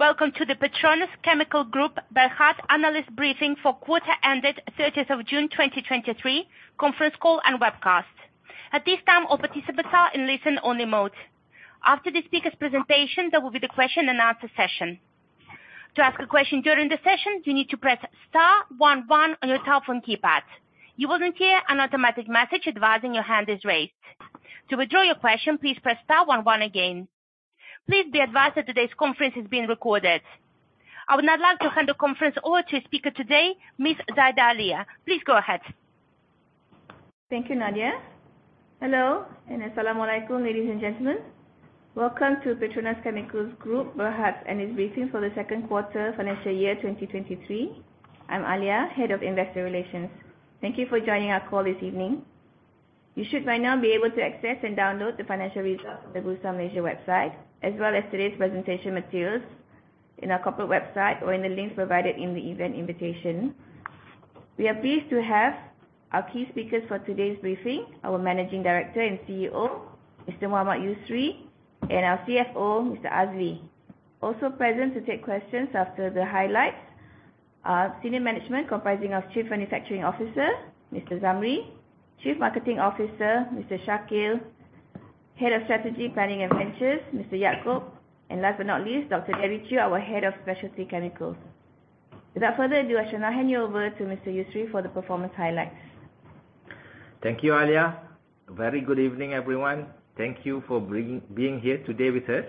Welcome to the PETRONAS Chemicals Group Berhad analyst briefing for quarter ended 30th of June, 2023 conference call and webcast. At this time, all participants are in listen only mode. After the speaker's presentation, there will be the question and answer session. To ask a question during the session, you need to press star 11 on your telephone keypad. You will then hear an automatic message advising your hand is raised. To withdraw your question, please press star 11 again. Please be advised that today's conference is being recorded. I would now like to hand the conference over to speaker today, Miss Zaida Alia. Please go ahead. Thank you, Nadia. Hello, and Assalamualaikum, ladies and gentlemen. Welcome to PETRONAS Chemicals Group Berhad, and its briefing for the second quarter financial year 2023. I'm Alia, Head of Investor Relations. Thank you for joining our call this evening. You should by now be able to access and download the financial results from the Bursa Malaysia website, as well as today's presentation materials in our corporate website or in the link provided in the event invitation. We are pleased to have our key speakers for today's briefing, our Managing Director and CEO, Mr. Mohammad Yusri, and our CFO, Mr. Azli. Also present to take questions after the highlights, our senior management, comprising of Chief Manufacturing Officer, Mr. Zamri, Chief Commercial Officer, Mr. Shakil, Head of Strategy, Planning and Ventures, Mr. Yaacob, and last but not least, Dr. Debbie Chiu, our Head of Specialty Chemicals. Without further ado, I shall now hand you over to Mr. Yusri for the performance highlights. Thank you, Alia. Very good evening, everyone. Thank you for being here today with us.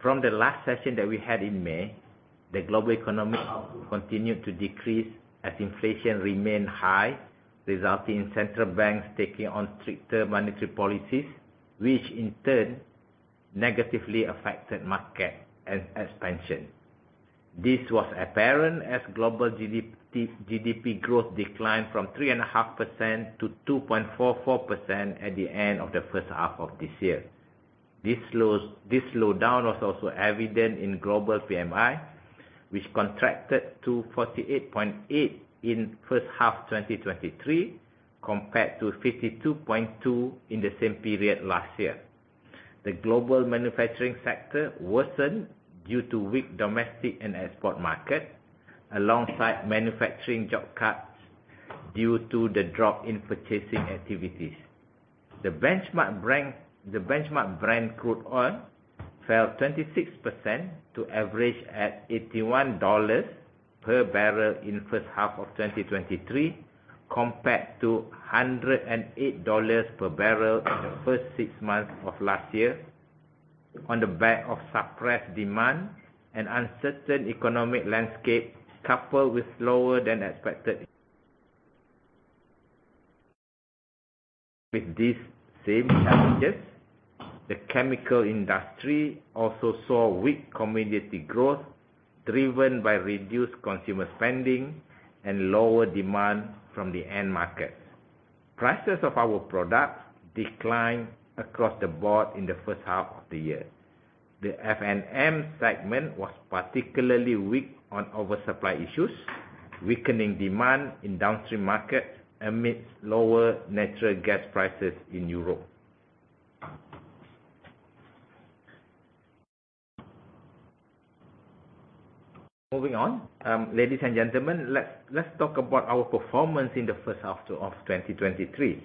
From the last session that we had in May, the global economy continued to decrease as inflation remained high, resulting in central banks taking on stricter monetary policies, which in turn negatively affected market and expansion. This was apparent as global GDP growth declined from 3.5% to 2.44% at the end of the first half of this year. This slowdown was also evident in global PMI, which contracted to 48.8 in first half 2023, compared to 52.2 in the same period last year. The global manufacturing sector worsened due to weak domestic and export market, alongside manufacturing job cuts due to the drop in purchasing activities. The benchmark Brent, the benchmark Brent crude oil fell 26% to average at $81 per barrel in first half of 2023, compared to $108 per barrel in the first six months of last year, on the back of suppressed demand and uncertain economic landscape, coupled with slower than expected. With these same challenges, the chemical industry also saw weak commodity growth, driven by reduced consumer spending and lower demand from the end market. Prices of our products declined across the board in the first half of the year. The F&M segment was particularly weak on oversupply issues, weakening demand in downstream markets amidst lower natural gas prices in Europe. Moving on, ladies and gentlemen, let's, let's talk about our performance in the first half of 2023.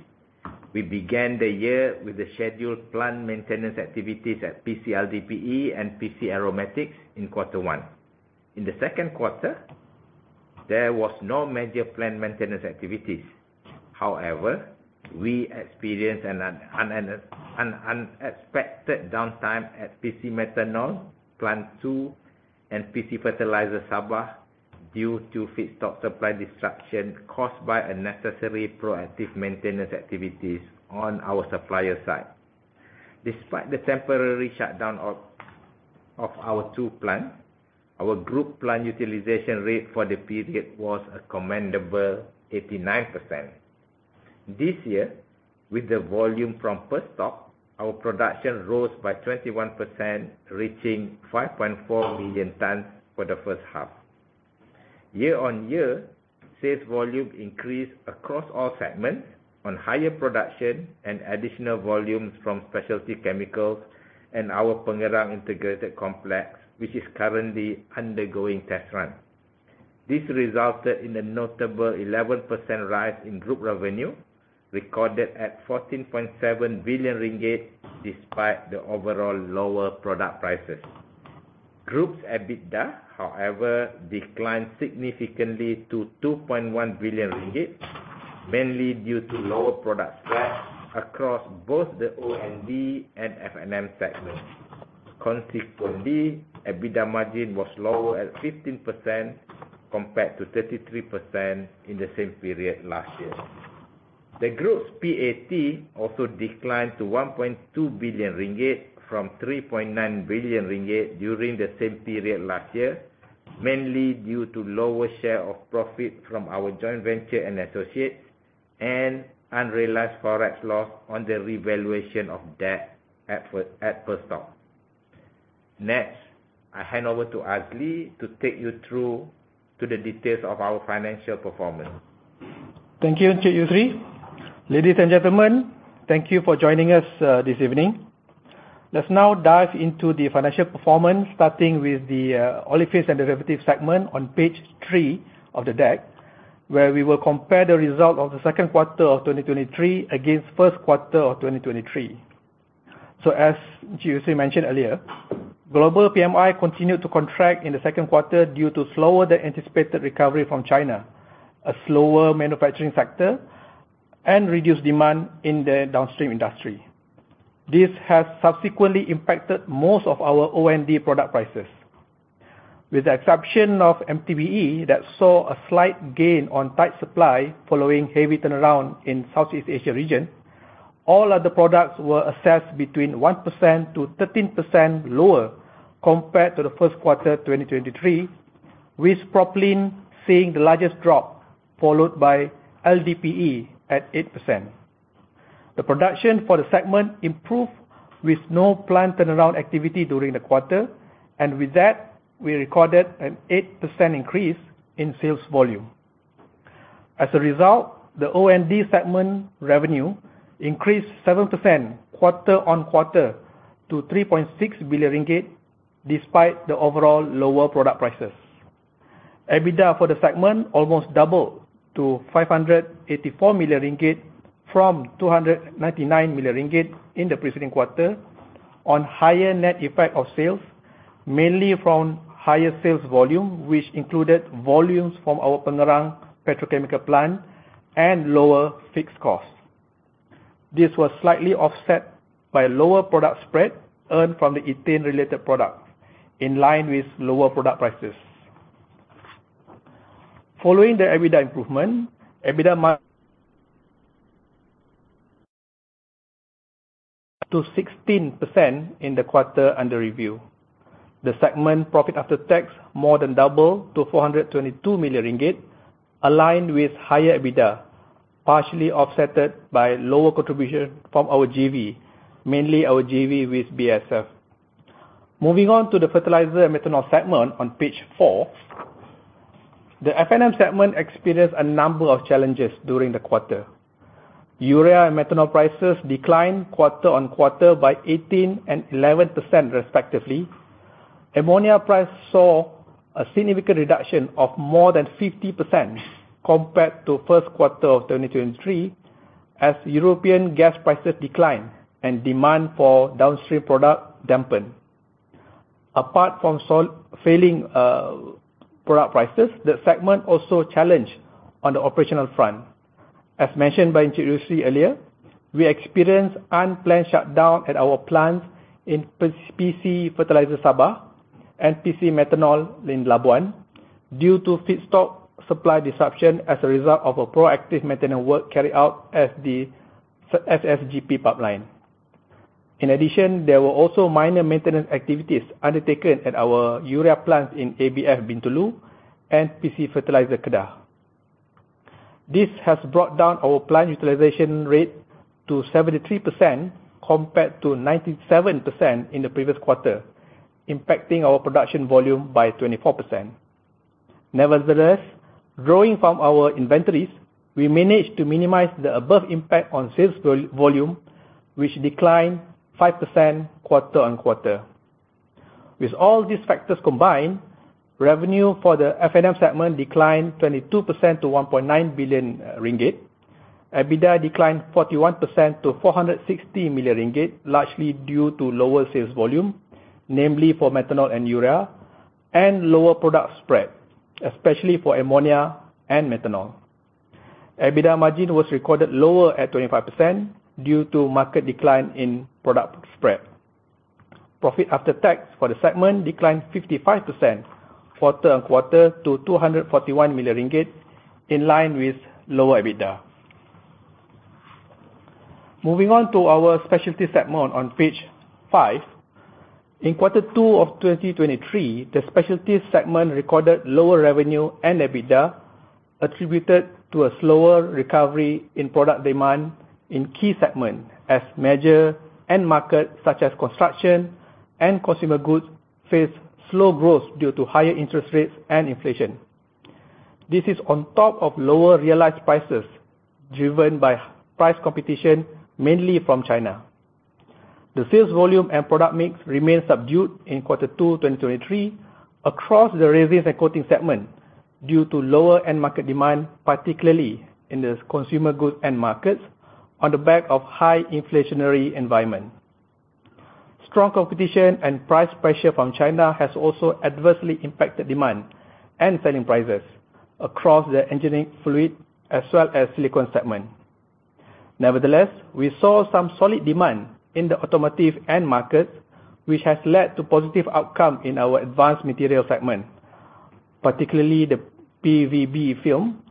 We began the year with a scheduled plant maintenance activities at PC-LDPE and PC Aromatics in quarter one. In the second quarter, there was no major plant maintenance activities. However, we experienced an unexpected downtime at PC Methanol, Plant 2 and PC Fertiliser Sabah, due to feedstock supply disruption caused by a necessary proactive maintenance activities on our supplier side. Despite the temporary shutdown of our two plant, our group plant utilization rate for the period was a commendable 89%. This year, with the volume from Perstorp, our production rose by 21%, reaching 5.4 million tons for the first half. Year-on-year, sales volume increased across all segments on higher production and additional volumes from Specialty Chemicals and our Pengerang Integrated Complex, which is currently undergoing test run. This resulted in a notable 11% rise in group revenue, recorded at 14.7 billion ringgit, despite the overall lower product prices. Group's EBITDA, however, declined significantly to 2.1 billion ringgit, mainly due to lower product sales across both the O&D and F&M segments. Consequently, EBITDA margin was lower at 15%, compared to 33% in the same period last year. The group's PAT also declined to 1.2 billion ringgit from 3.9 billion ringgit during the same period last year, mainly due to lower share of profit from our joint venture and associates, and unrealized FOREX loss on the revaluation of debt at Perstorp. Next, I hand over to Azli to take you through to the details of our financial performance. Thank you, Encik Yusri. Ladies and gentlemen, thank you for joining us this evening. Let's now dive into the financial performance, starting with the Olefins and Derivatives segment on page 3 of the deck, where we will compare the result of the second quarter of 2023 against first quarter of 2023. As Yusri mentioned earlier, global PMI continued to contract in the second quarter due to slower than anticipated recovery from China, a slower manufacturing sector, and reduced demand in the downstream industry. This has subsequently impacted most of our O&D product prices. With the exception of MTBE, that saw a slight gain on tight supply following heavy turnaround in Southeast Asia region, all other products were assessed between 1%-13% lower compared to the first quarter 2023, with propylene seeing the largest drop, followed by LDPE at 8%. The production for the segment improved with no planned turnaround activity during the quarter. With that, we recorded an 8% increase in sales volume. As a result, the O&D segment revenue increased 7% quarter-on-quarter to 3.6 billion ringgit, despite the overall lower product prices. EBITDA for the segment almost doubled to 584 million ringgit from 299 million ringgit in the preceding quarter on higher net effect of sales, mainly from higher sales volume, which included volumes from our Pengerang petrochemical plant and lower fixed costs. This was slightly offset by lower product spread earned from the ethane-related product, in line with lower product prices. Following the EBITDA improvement, EBITDA to 16% in the quarter under review. The segment profit after tax more than double to 422 million ringgit, aligned with higher EBITDA, partially Offsetted by lower contribution from our JV, mainly our JV with BASF. Moving on to the Fertilisers and Methanol segment on page 4. The F&M segment experienced a number of challenges during the quarter. Urea and methanol prices declined quarter-on-quarter by 18% and 11%, respectively. Ammonia price saw a significant reduction of more than 50% compared to first quarter of 2023, as European gas prices declined and demand for downstream product dampened. Apart from failing product prices, the segment also challenged on the operational front. As mentioned by Encik Yusri earlier, we experienced unplanned shutdown at our plants in PC Fertiliser Sabah and PC Methanol in Labuan, due to feedstock supply disruption as a result of a proactive maintenance work carried out as the SSGP pipeline. There were also minor maintenance activities undertaken at our urea plants in ABF Bintulu and PC Fertiliser Kedah. This has brought down our plant utilization rate to 73%, compared to 97% in the previous quarter, impacting our production volume by 24%. Drawing from our inventories, we managed to minimize the above impact on sales volume, which declined 5% quarter-on-quarter. With all these factors combined, revenue for the F&M segment declined 22% to 1.9 billion ringgit. EBITDA declined 41% to 460 million ringgit, largely due to lower sales volume, namely for methanol and urea, and lower product spread, especially for ammonia and methanol. EBITDA margin was recorded lower at 25% due to market decline in product spread. Profit after tax for the segment declined 55% quarter-on-quarter to 241 million ringgit, in line with lower EBITDA. Moving on to our Specialty segment on page 5. In 2Q 2023, the Specialty segment recorded lower revenue and EBITDA, attributed to a slower recovery in product demand in key segment as major end market, such as construction and consumer goods, face slow growth due to higher interest rates and inflation. This is on top of lower realized prices, driven by price competition, mainly from China. The sales volume and product mix remained subdued in quarter 2, 2023, across the Resins and Coatings segment due to lower end market demand, particularly in the consumer goods end markets, on the back of high inflationary environment. Strong competition and price pressure from China has also adversely impacted demand and selling prices across the engineering fluid as well as silicone segment. Nevertheless, we saw some solid demand in the automotive end market, which has led to positive outcome in our advanced materials segment, particularly the PVB film,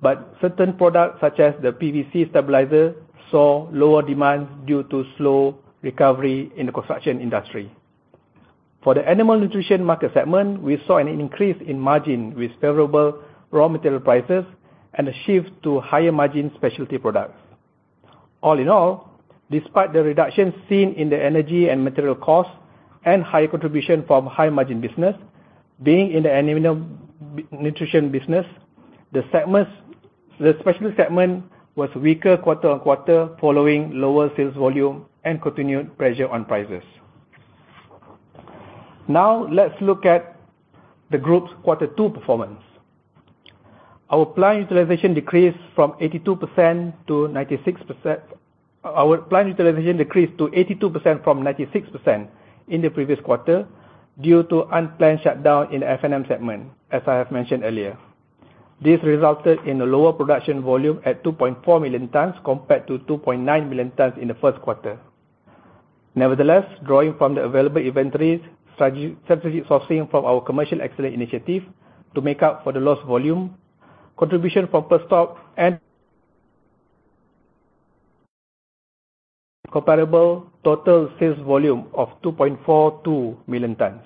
but certain products, such as the PVC stabilizer, saw lower demand due to slow recovery in the construction industry. For the Animal Nutrition market segment, we saw an increase in margin with favorable raw material prices and a shift to higher margin specialty products. All in all, despite the reduction seen in the energy and material costs and high contribution from high margin business, being in the Animal Nutrition business, the segments, the specialty segment was weaker quarter-on-quarter following lower sales volume and continued pressure on prices. Now, let's look at the group's Quarter 2 performance. Our plant utilization decreased from 82% to 96%. Our plant utilization decreased to 82% from 96% in the previous quarter, due to unplanned shutdown in the F&M segment, as I have mentioned earlier. This resulted in a lower production volume at 2.4 million tons, compared to 2.9 million tons in the first quarter. Nevertheless, drawing from the available inventories, strategic sourcing from our commercial excellence initiative to make up for the lost volume, contribution from Perstorp and comparable total sales volume of 2.42 million tons.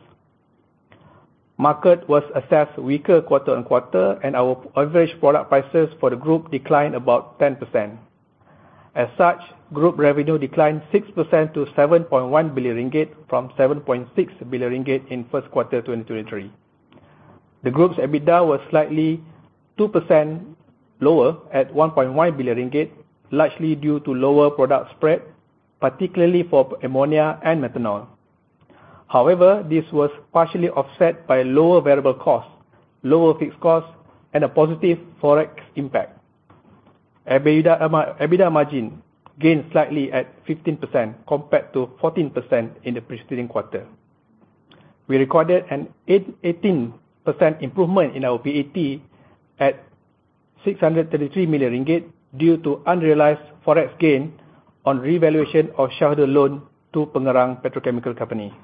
Market was assessed weaker quarter-on-quarter, our average product prices for the group declined about 10%. As such, group revenue declined 6% to 7.1 billion ringgit, from 7.6 billion ringgit in first quarter 2023. The group's EBITDA was slightly 2% lower at 1.1 billion ringgit, largely due to lower product spread, particularly for ammonia and methanol. However, this was partially offset by lower variable costs, lower fixed costs, and a positive Forex impact. EBITDA margin gained slightly at 15% compared to 14% in the preceding quarter. We recorded an 18% improvement in our PAT at 633 million ringgit, due to unrealized FOREX gain on revaluation of shareholder loan to Pengerang Petrochemical Company.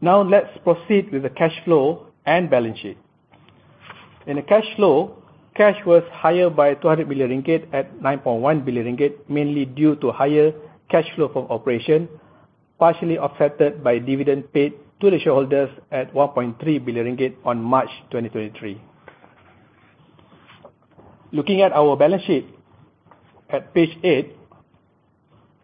Let's proceed with the cash flow and balance sheet. In the cash flow, cash was higher by 200 billion ringgit at 9.1 billion ringgit, mainly due to higher cash flow from operation, partially offsetted by dividend paid to the shareholders at 1.3 billion ringgit on March 2023. Looking at our balance sheet, at page eight,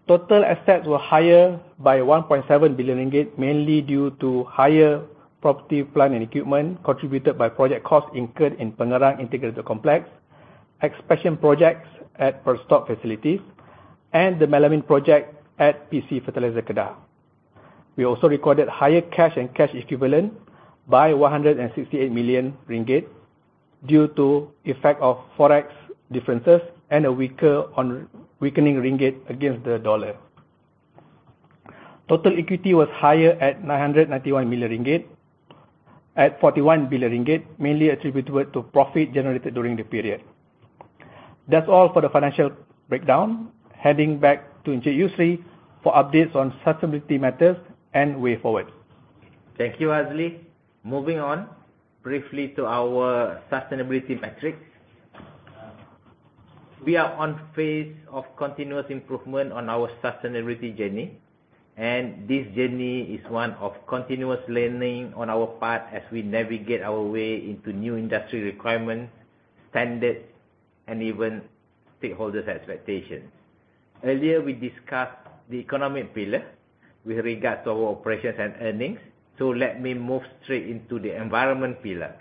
total assets were higher by 1.7 billion ringgit, mainly due to higher property, plant, and equipment contributed by project costs incurred in Pengerang Integrated Complex, expansion projects at Perstorp facilities, and the melamine project at PC Fertiliser Kedah. We also recorded higher cash and cash equivalent by 168 million ringgit, due to effect of FOREX differences and a weaker on- weakening Ringgit against the US dollar. Total equity was higher at 991 million ringgit, at 41 billion ringgit, mainly attributable to profit generated during the period. That's all for the financial breakdown. Heading back to engineer Yusri for updates on sustainability matters and way forward. Thank you, Azli. Moving on briefly to our sustainability metrics. We are on phase of continuous improvement on our sustainability journey, and this journey is one of continuous learning on our part as we navigate our way into new industry requirements, standards, and even stakeholders' expectations. Earlier, we discussed the economic pillar with regard to our operations and earnings, let me move straight into the environment pillar.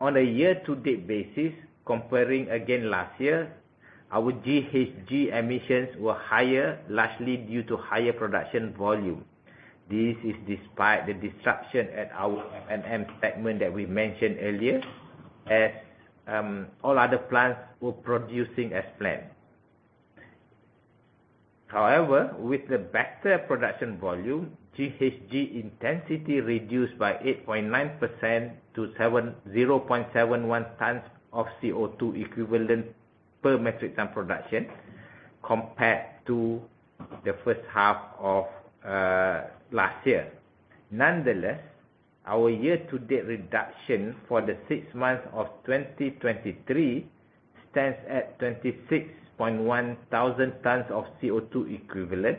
On a year-to-date basis, comparing again last year, our GHG emissions were higher, largely due to higher production volume. This is despite the disruption at our F&M segment that we mentioned earlier, as all other plants were producing as planned. With the better production volume, GHG intensity reduced by 8.9% to 0.71 tons of CO2 equivalent per metric ton production, compared to the first half of last year. Nonetheless, our year-to-date reduction for the 6 months of 2023 stands at 26.1 thousand tons of CO2 equivalent,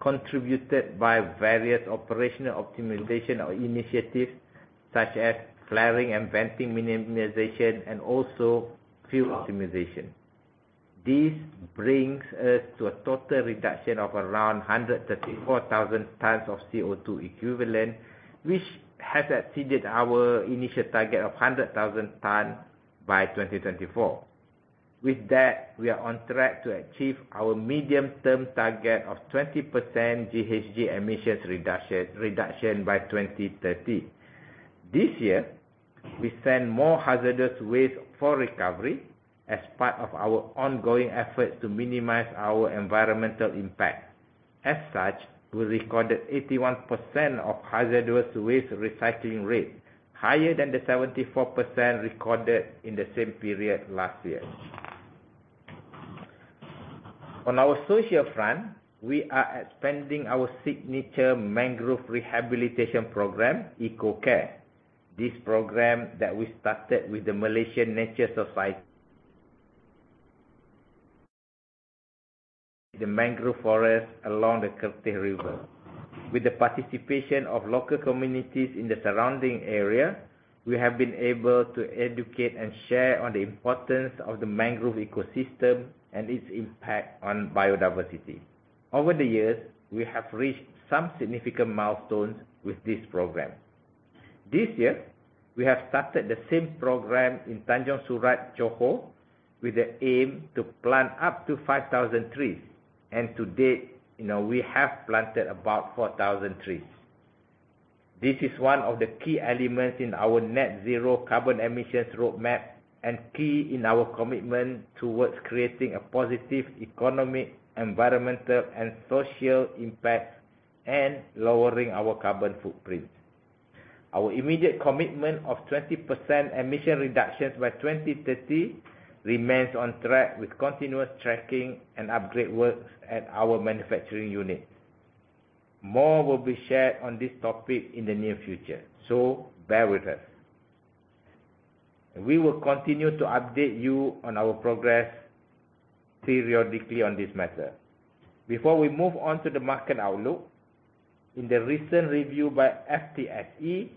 contributed by various operational optimization or initiatives, such as flaring and venting minimization, and also fuel optimization. This brings us to a total reduction of around 134 thousand tons of CO2 equivalent, which has exceeded our initial target of 100 thousand ton by 2024. With that, we are on track to achieve our medium-term target of 20% GHG emissions reduction by 2030. This year, we sent more hazardous waste for recovery as part of our ongoing efforts to minimize our environmental impact. As such, we recorded 81% of hazardous waste recycling rate, higher than the 74% recorded in the same period last year. On our social front, we are expanding our signature mangrove rehabilitation program, ecoCare. This program that we started with the Malaysian Nature Society-... the mangrove forest along the Kertih River. With the participation of local communities in the surrounding area, we have been able to educate and share on the importance of the mangrove ecosystem and its impact on biodiversity. Over the years, we have reached some significant milestones with this program. This year, we have started the same program in Tanjung Surat, Johor, with the aim to plant up to 5,000 trees, and to date, you know, we have planted about 4,000 trees. This is one of the key elements in our net zero carbon emissions roadmap, and key in our commitment towards creating a positive economic, environmental, and social impact, and lowering our carbon footprint. Our immediate commitment of 20% emission reductions by 2030 remains on track, with continuous tracking and upgrade works at our manufacturing unit. More will be shared on this topic in the near future, so bear with us. We will continue to update you on our progress periodically on this matter. Before we move on to the market outlook, in the recent review by FTSE,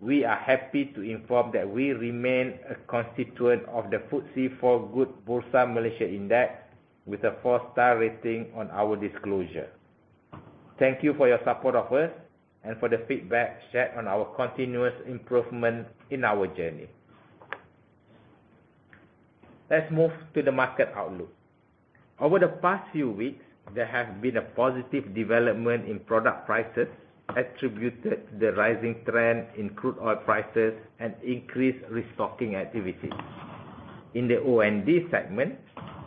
we are happy to inform that we remain a constituent of the FTSE4Good Bursa Malaysia index, with a four-star rating on our disclosure. Thank you for your support of us and for the feedback shared on our continuous improvement in our journey. Let's move to the market outlook. Over the past few weeks, there has been a positive development in product prices, attributed to the rising trend in crude oil prices and increased restocking activities. In the O&D segment,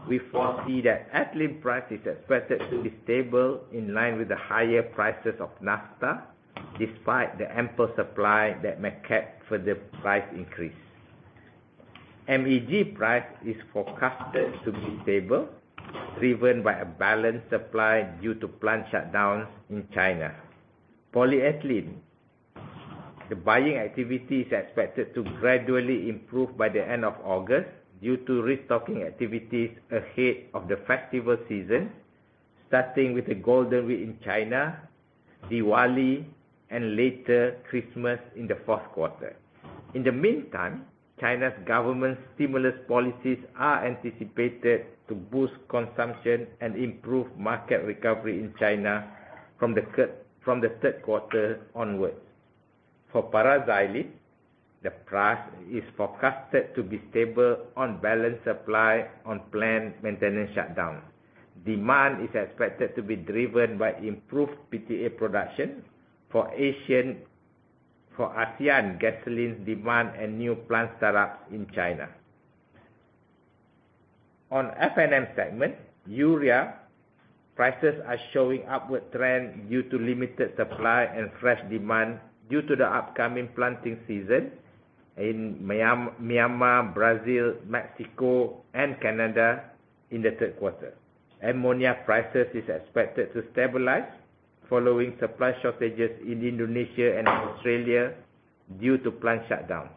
we foresee that Ethylene price is expected to be stable, in line with the higher prices of Naphtha, despite the ample supply that may cap further price increase. MEG price is forecasted to be stable, driven by a balanced supply due to plant shutdowns in China. Polyethylene, the buying activity is expected to gradually improve by the end of August due to restocking activities ahead of the festival season, starting with the Golden Week in China, Diwali, and later, Christmas in the fourth quarter. In the meantime, China's government's stimulus policies are anticipated to boost consumption and improve market recovery in China from the third quarter onwards. For Paraxylene, the price is forecasted to be stable on balanced supply, on plant maintenance shutdown. Demand is expected to be driven by improved PTA production for ASEAN gasoline demand and new plant startups in China. On F&M segment, urea prices are showing upward trend due to limited supply and fresh demand due to the upcoming planting season in Myanmar, Brazil, Mexico, and Canada in the third quarter. Ammonia prices is expected to stabilize following supply shortages in Indonesia and Australia due to plant shutdowns.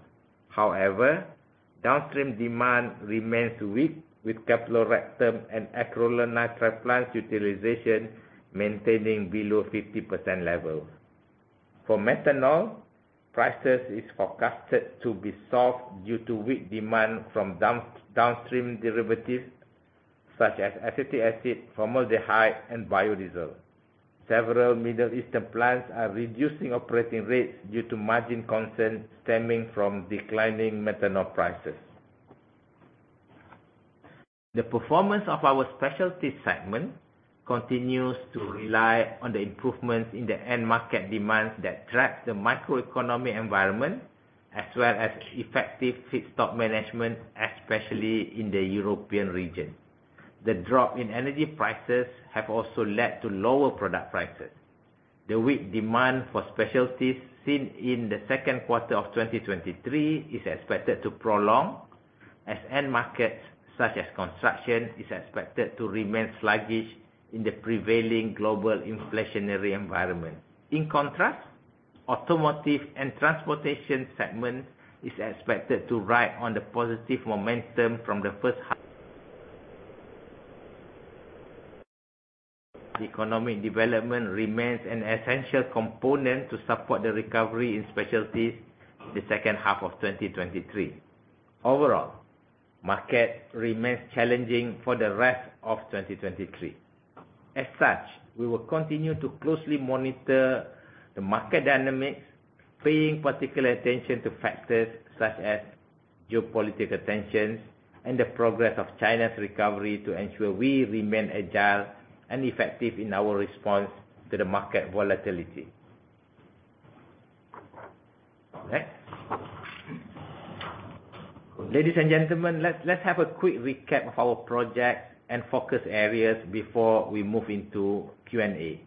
Downstream demand remains weak, with caprolactam and acrylonitrile plants utilization maintaining below 50% level. For methanol, prices is forecasted to be soft due to weak demand from downstream derivatives such as acetic acid, formaldehyde, and biodiesel. Several Middle Eastern plants are reducing operating rates due to margin concerns stemming from declining methanol prices. The performance of our specialties segment continues to rely on the improvements in the end market demands that drive the microeconomic environment, as well as effective feedstock management, especially in the European region. The drop in energy prices have also led to lower product prices. The weak demand for specialties seen in the second quarter of 2023 is expected to prolong, as end markets, such as construction, is expected to remain sluggish in the prevailing global inflationary environment. In contrast, automotive and transportation segment is expected to ride on the positive momentum from the first half. Economic development remains an essential component to support the recovery in specialties the second half of 2023. Overall, market remains challenging for the rest of 2023. As such, we will continue to closely monitor the market dynamics, paying particular attention to factors such as geopolitical tensions and the progress of China's recovery, to ensure we remain agile and effective in our response to the market volatility. Next. Ladies and gentlemen, let's have a quick recap of our projects and focus areas before we move into Q&A.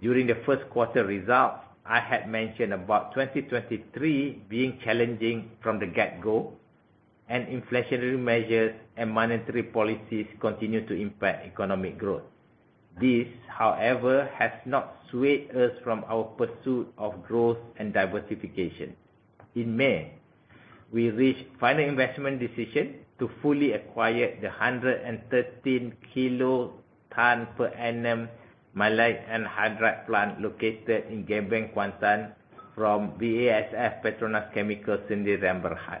During the first quarter results, I had mentioned about 2023 being challenging from the get-go, inflationary measures and monetary policies continue to impact economic growth. This, however, has not swayed us from our pursuit of growth and diversification. We reached final investment decision to fully acquire the 113 kilo ton per annum maleic anhydride plant located in Gebeng, Kuantan, from BASF PETRONAS Chemicals Sdn Bhd.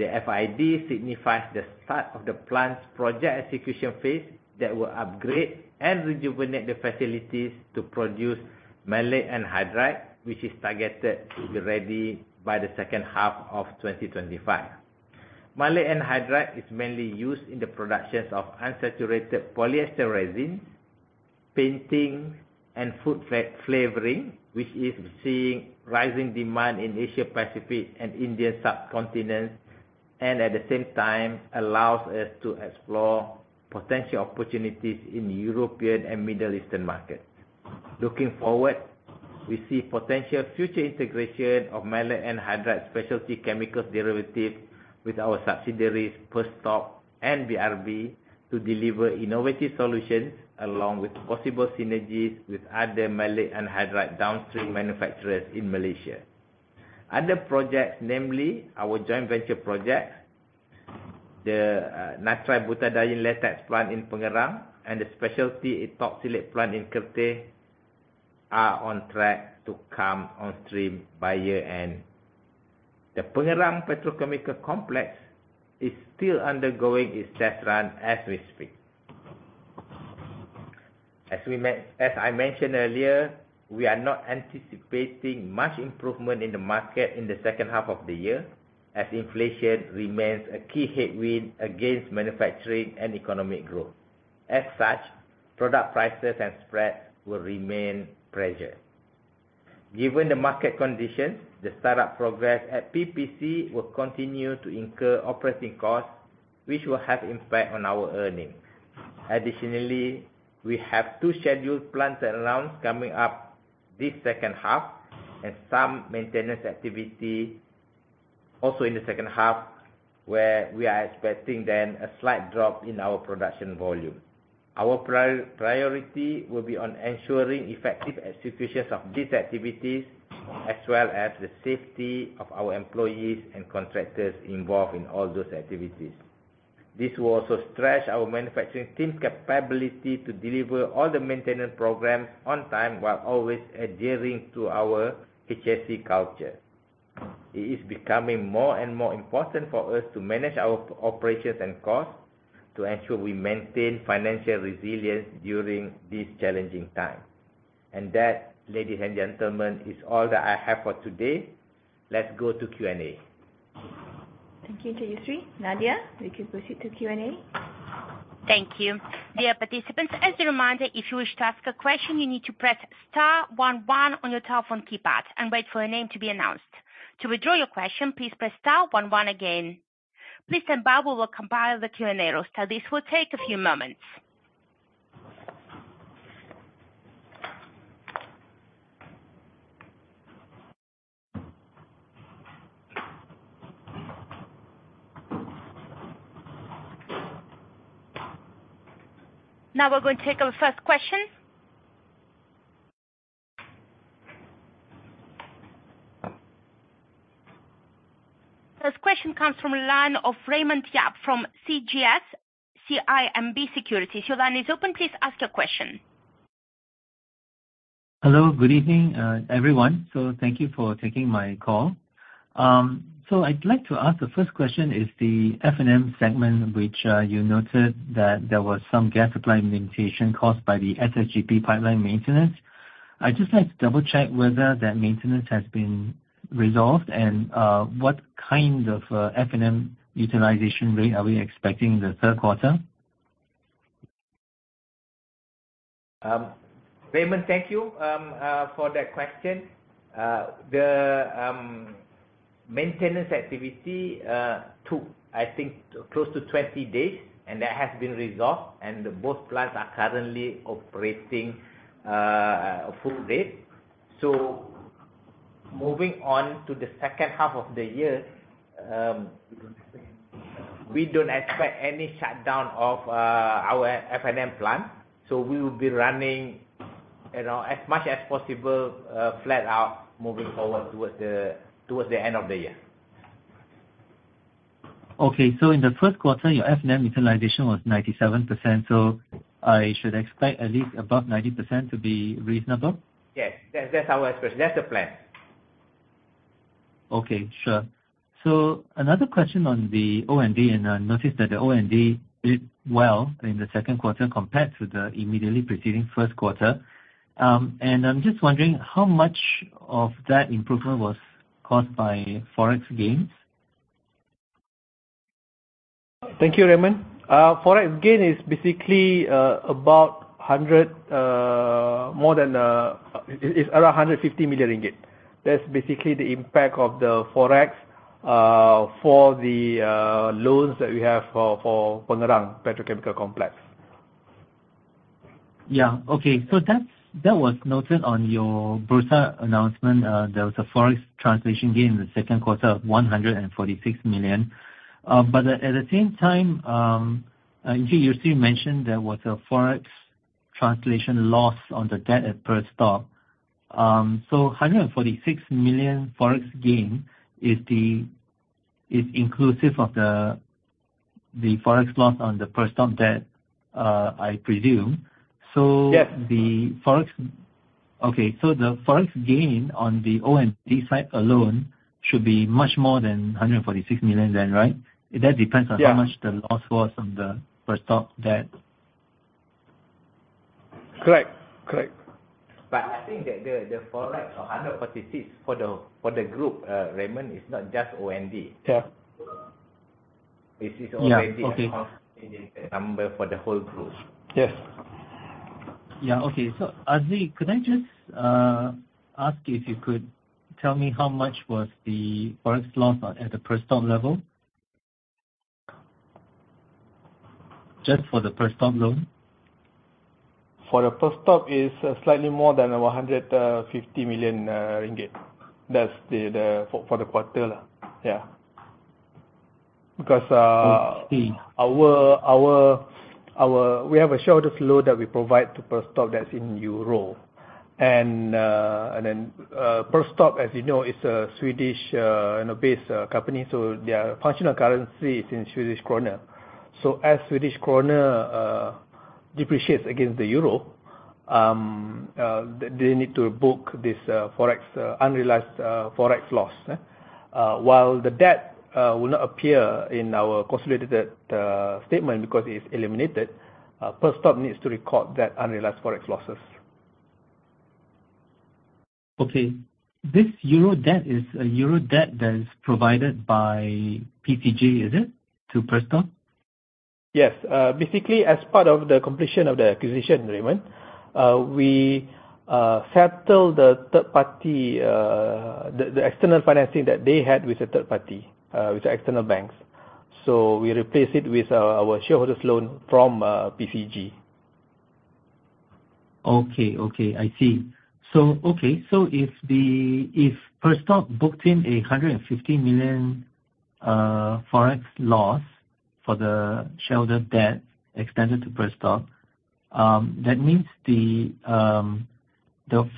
The FID signifies the start of the plant's project execution phase that will upgrade and rejuvenate the facilities to produce maleic anhydride, which is targeted to be ready by the second half of 2025. Maleic anhydride is mainly used in the productions of unsaturated polyester resin, painting, and food flavoring, which is seeing rising demand in Asia Pacific and Indian subcontinent, and at the same time allows us to explore potential opportunities in European and Middle Eastern markets. Looking forward, we see potential future integration of maleic anhydride specialty chemicals derivative with our subsidiaries, Perstorp and BRB, to deliver innovative solutions, along with possible synergies with other maleic anhydride downstream manufacturers in Malaysia. Other projects, namely our joint venture project, the nitrile butadiene latex plant in Pengerang and the specialty ethoxylates plant in Kertih, are on track to come on stream by year-end. The Pengerang Integrated Complex is still undergoing its test run as we speak. As I mentioned earlier, we are not anticipating much improvement in the market in the second half of the year, as inflation remains a key headwind against manufacturing and economic growth. As such, product prices and spreads will remain pressured. Given the market conditions, the startup progress at PPC will continue to incur operating costs, which will have impact on our earnings. Additionally, we have two scheduled plant shutdowns coming up this second half, and some maintenance activity also in the second half, where we are expecting then a slight drop in our production volume. Our priority will be on ensuring effective executions of these activities, as well as the safety of our employees and contractors involved in all those activities. This will also stretch our manufacturing team's capability to deliver all the maintenance programs on time, while always adhering to our HSE culture. It is becoming more and more important for us to manage our operations and costs to ensure we maintain financial resilience during these challenging times. That, ladies and gentlemen, is all that I have for today. Let's go to Q&A. Thank you, Tejinder. Nadia, we can proceed to Q&A. Thank you. Dear participants, as a reminder, if you wish to ask a question, you need to press star one one on your telephone keypad and wait for your name to be announced. To withdraw your question, please press star one one again. Please stand by, we will compile the Q&A roster. This will take a few moments. Now we're going to take our first question. First question comes from line of Raymond Yap from CGS-CIMB Securities. Your line is open, please ask your question. Hello, good evening, everyone. Thank you for taking my call. I'd like to ask, the first question is the F&M segment, which you noted that there was some gas supply limitation caused by the SSGP pipeline maintenance. I'd just like to double-check whether that maintenance has been resolved and what kind of F&M utilization rate are we expecting in the third quarter? Raymond, thank you for that question. The maintenance activity took close to 20 days, and that has been resolved, and both plants are currently operating a full rate. Moving on to the second half of the year, we don't expect any shutdown of our F&M plant, so we will be running, you know, as much as possible, flat out, moving forward towards the end of the year. In the first quarter, your F&M utilization was 97%, so I should expect at least above 90% to be reasonable? Yes. That, that's our That's the plan. Okay, sure. Another question on the O&D, and I noticed that the O&D did well in the second quarter compared to the immediately preceding first quarter. I'm just wondering how much of that improvement was caused by FOREX gains? Thank you, Raymond. Forex gain is basically around 150 million ringgit. That's basically the impact of the Forex for the loans that we have for Pengerang Integrated Complex. Yeah. Okay, that's, that was noted on your Bursa announcement. There was a FOREX translation gain in the second quarter of 146 million. At, at the same time, you still mentioned there was a FOREX translation loss on the debt at Perstorp. The 146 million FOREX gain is the, is inclusive of the, the FOREX loss on the Perstorp debt, I presume. Yes. The FOREX- okay, so the FOREX gain on the O&D side alone should be much more than 146 million then, right? Yeah. That depends on how much the loss was on the Perstorp debt. Correct. Correct. I think that the, the FOREX of 146 for the, for the group, Raymond, is not just O&D. Yeah. This is already- Yeah. Okay. Consolidated number for the whole group. Yes. Yeah. Okay. Azli, could I just ask you if you could tell me how much was the FOREX loss at the Perstorp level? Just for the Perstorp loan. For the Perstorp is, slightly more than 150 million Ringgit. That's for the quarter, yeah. Because. Okay. We have a shareholders loan that we provide to Perstorp that's in Euro. Then Perstorp, as you know, is a Swedish, you know, based company, so their functional currency is in Swedish krona. As Swedish krona depreciates against the Euro, they need to book this FOREX unrealized FOREX loss. While the debt will not appear in our consolidated statement because it's eliminated, Perstorp needs to record that unrealized FOREX losses. Okay. This Euro debt is a Euro debt that is provided by PCG, is it, to Perstorp? Yes. Basically, as part of the completion of the acquisition, Raymond, we settled the third party, the external financing that they had with the third party, with the external banks. We replace it with our shareholders loan from PCG. Okay, okay. I see. Okay, if Perstorp booked in a $150 million FOREX loss for the shareholder debt extended to Perstorp, that means the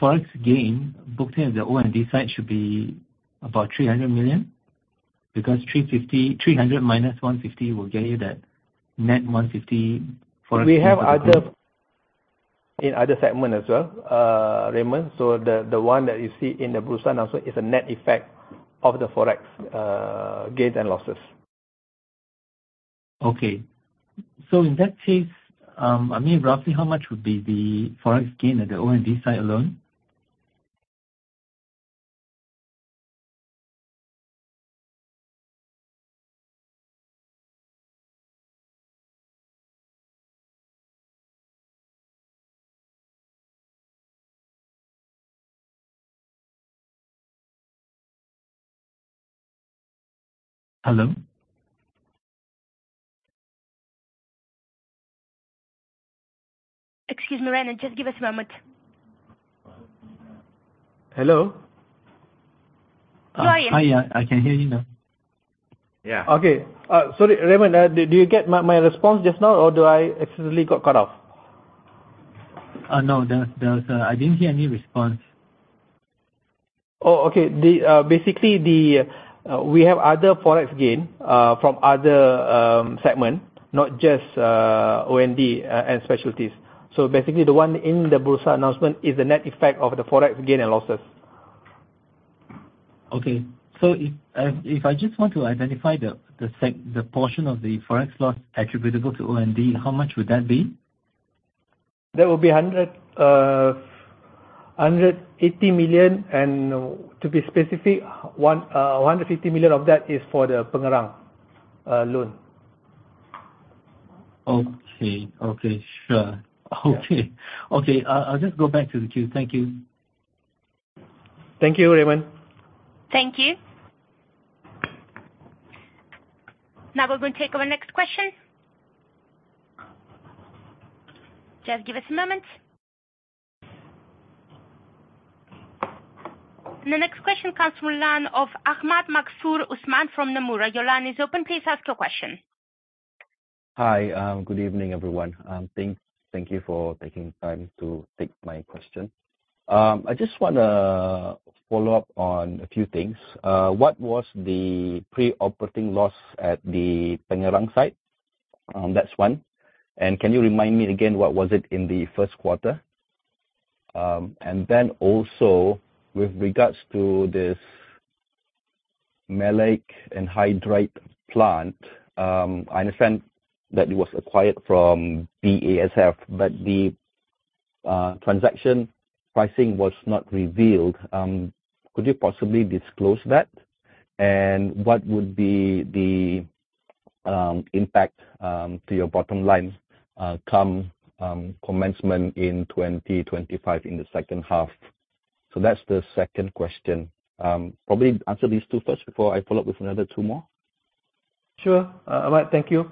FOREX gain booked in the O&D side should be about $300 million? Because $350, $300 minus $150 will get you that net $150 FOREX. We have other, in other segment as well, Raymond. The, the one that you see in the Bursa announcement is a net effect of the FOREX, gains and losses. In that case, I mean, roughly how much would be the FOREX gain at the O&D side alone? Hello? Excuse me, Raymond. Just give us a moment. Hello? Sorry. Hi, yeah. I can hear you now. Yeah. Okay. sorry, Raymond, did, did you get my, my response just now, or do I accidentally got cut off? No, there was, there was a... I didn't hear any response. Oh, okay. Basically, we have other FOREX gain from other segment, not just O&D and Specialties. Basically, the one in the Bursa announcement is the net effect of the FOREX gain and losses. Okay. If, if I just want to identify the portion of the FOREX loss attributable to O&D, how much would that be? That would be 180 million, and to be specific, 150 million of that is for the Pengerang loan. Okay. Okay, sure. Okay. Yeah. Okay, I'll just go back to the queue. Thank you. Thank you, Raymond. Thank you. Now, we will take our next question. Just give us a moment. The next question comes from the line of Ahmad Maghfur Usman from Nomura. Your line is open. Please ask your question. Hi, good evening, everyone. Thank, thank you for taking time to take my question. I just wanna follow up on a few things. What was the pre-operating loss at the Pengerang site? That's one. Can you remind me again, what was it in the first quarter? Then also with regards to this maleic anhydride plant, I understand that it was acquired from BASF, but the transaction pricing was not revealed. Could you possibly disclose that? What would be the impact to your bottom line, come commencement in 2025, in the second half? That's the second question. Probably answer these two first before I follow up with another two more. Sure. Ahmad, thank you.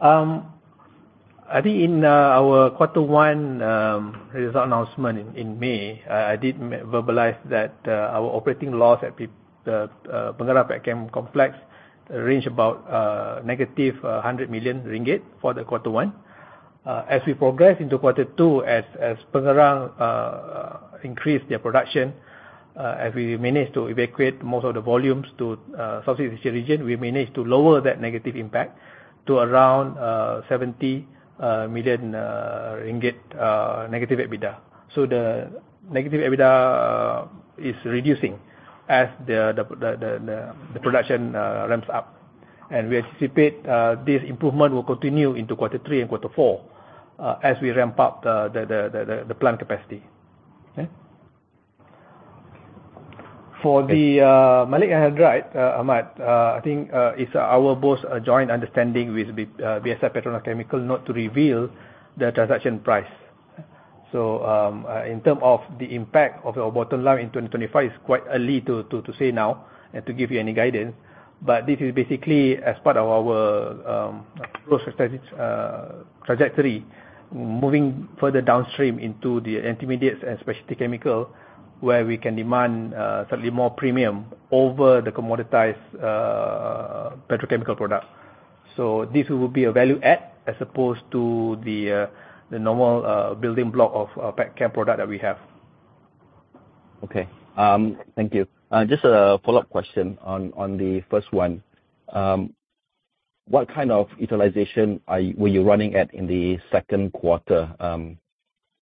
I think in our quarter one result announcement in May, I did verbalize that our operating loss at Pengerang Chem Complex range about negative 100 million ringgit for the quarter one. As we progress into quarter two, as Pengerang increase their production, as we manage to evacuate most of the volumes to Southeast Asia region, we manage to lower that negative impact to around 70 million ringgit negative EBITDA. The negative EBITDA is reducing as the production ramps up. And we anticipate this improvement will continue into quarter three and quarter four, as we ramp up the plant capacity. Okay? For the maleic anhydride, Ahmad, I think it's our both joint understanding with BASF PETRONAS Chemicals not to reveal the transaction price. In terms of the impact of our bottom line in 2025, it's quite early to say now and to give you any guidance. This is basically as part of our growth strategy trajectory, moving further downstream into the intermediates and specialty chemical, where we can demand certainly more premium over the commoditized petrochemical product. This will be a value add as opposed to the normal building block of pet chem product that we have. Okay. Thank you. Just a follow-up question on, on the first one. What kind of utilization were you running at in the second quarter?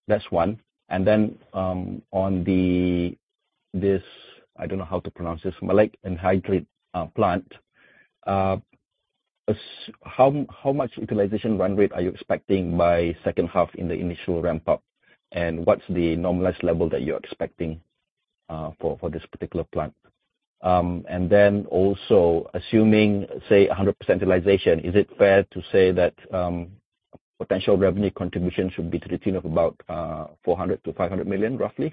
That's one. On the, this, I don't know how to pronounce this, Maleic anhydride plant. How much utilization run rate are you expecting by second half in the initial ramp up? And what's the normalized level that you're expecting for this particular plant? Also, assuming, say, 100% utilization, is it fair to say that potential revenue contribution should be to the tune of about 400 million-500 million ringgit, roughly?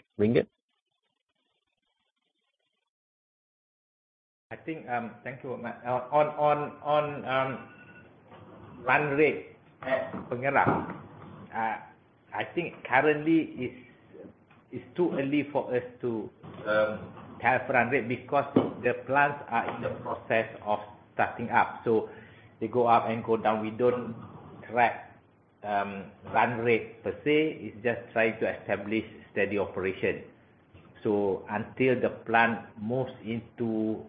I think, thank you, Ahmad. On, on, on run rate at Pengerang, I think currently it's too early for us to have run rate because the plants are in the process of starting up. They go up and go down. We don't track run rate, per se. It's just trying to establish steady operation. Until the plant moves into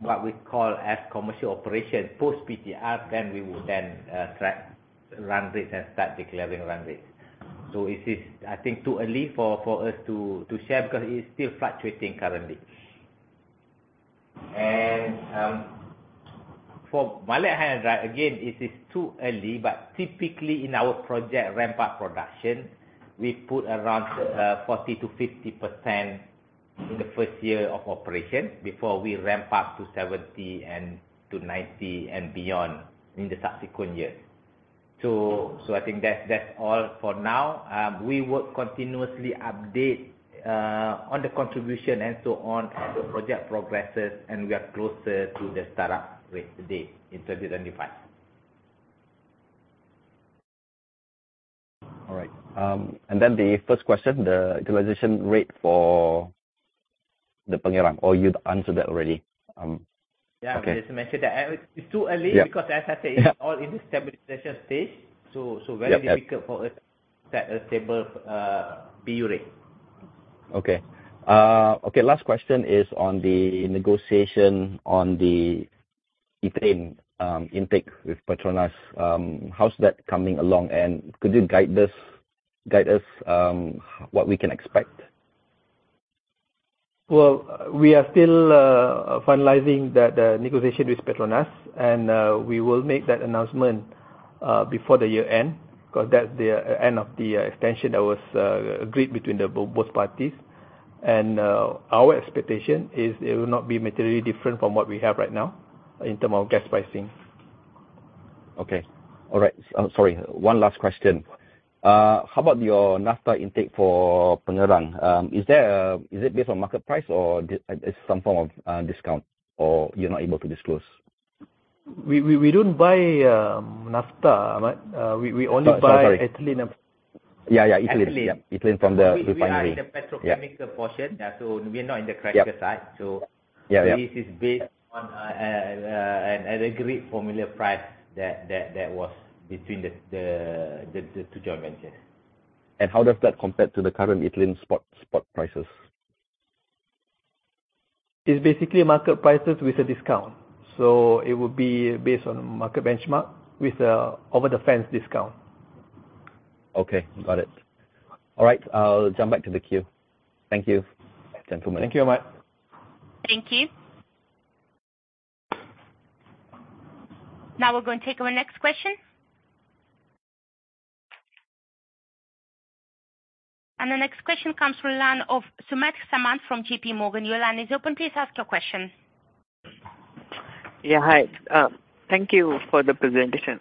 what we call as commercial operation, post PTR, then we will then track run rate and start declaring run rate. It is, I think, too early for us to share because it is still fluctuating currently. For maleic anhydride, again, it is too early, but typically in our project ramp-up production, we put around 40% to 50% in the first year of operation before we ramp up to 70, and to 90, and beyond in the subsequent years. I think that, that's all for now. We will continuously update on the contribution and so on as the project progresses, and we are closer to the start-up date, in 2025. All right. The first question, the utilization rate for the Pengerang, or you've answered that already? Okay. Yeah, I just mentioned that. It's too early- Yeah. because as I said, it's all in the stabilization phase, so- Yeah. Very difficult for us to set a stable, PU rate. Okay. Okay, last question is on the negotiation on the ethane intake with PETRONAS. How's that coming along? Could you guide this, guide us, what we can expect? Well, we are still finalizing the negotiation with PETRONAS, and we will make that announcement before the year end, 'cause that's the end of the extension that was agreed between both parties. Our expectation is it will not be materially different from what we have right now in term of gas pricing. Okay. All right. Sorry, one last question. How about your naphtha intake for Pengerang? Is it based on market price or it's some form of discount, or you're not able to disclose? We, we, we don't buy naphtha, Ahmad. We, we only buy. Sorry, sorry. ethylene Yeah, yeah, Ethylene. Ethylene. Yeah, ethylene from the refinery. We are in the petrochemical- Yeah... portion. Yeah, we are not in the cracker side. Yeah. So- Yeah, yeah.... this is based on an agreed formula price that was between the 2 joint ventures. How does that compare to the current ethylene spot prices? It's basically market prices with a discount, so it would be based on market benchmark with a over the fence discount. Okay, got it. All right, I'll jump back to the queue. Thank you, gentlemen. Thank you, Ahmad. Thank you. Now we're going to take our next question. The next question comes from line of Sumedh Samant, from JP Morgan. Your line is open, please ask your question. Yeah, hi. Thank you for the presentation.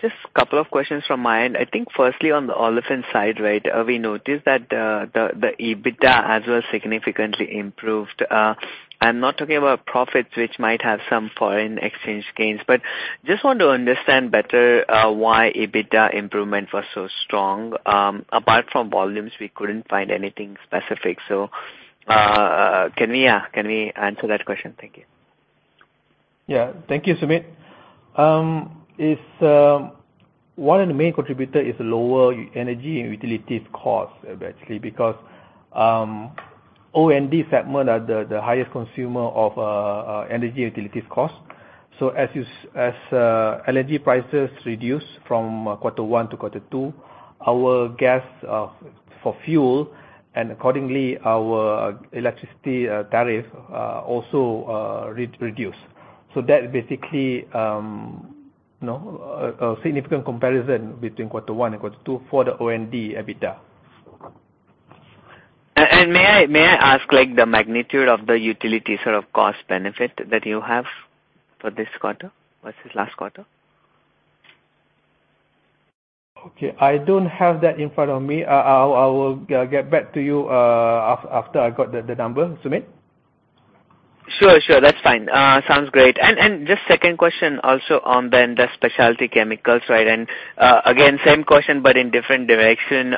Just a couple of questions from my end. I think firstly, on the Olefins side, right, we noticed that the EBITDA has significantly improved. I'm not talking about profits, which might have some foreign exchange gains, but just want to understand better why EBITDA improvement was so strong. Apart from volumes, we couldn't find anything specific. Can we answer that question? Thank you. Yeah. Thank you, Sumit. It's one of the main contributor is lower energy and utilities costs, actually, because O&D segment are the highest consumer of energy utilities costs. As LNG prices reduce from quarter one to quarter two, our gas for fuel and accordingly, our electricity tariff also reduced. That basically, you know, a significant comparison between quarter one and quarter two for the O&D EBITDA. May I, may I ask, like, the magnitude of the utility sort of cost benefit that you have for this quarter versus last quarter? Okay, I don't have that in front of me. I, I, I will get back to you after I got the, the number, Sumit. Sure, sure. That's fine. Sounds great. Just second question also on the Specialty Chemicals, right? Again, same question, but in different direction.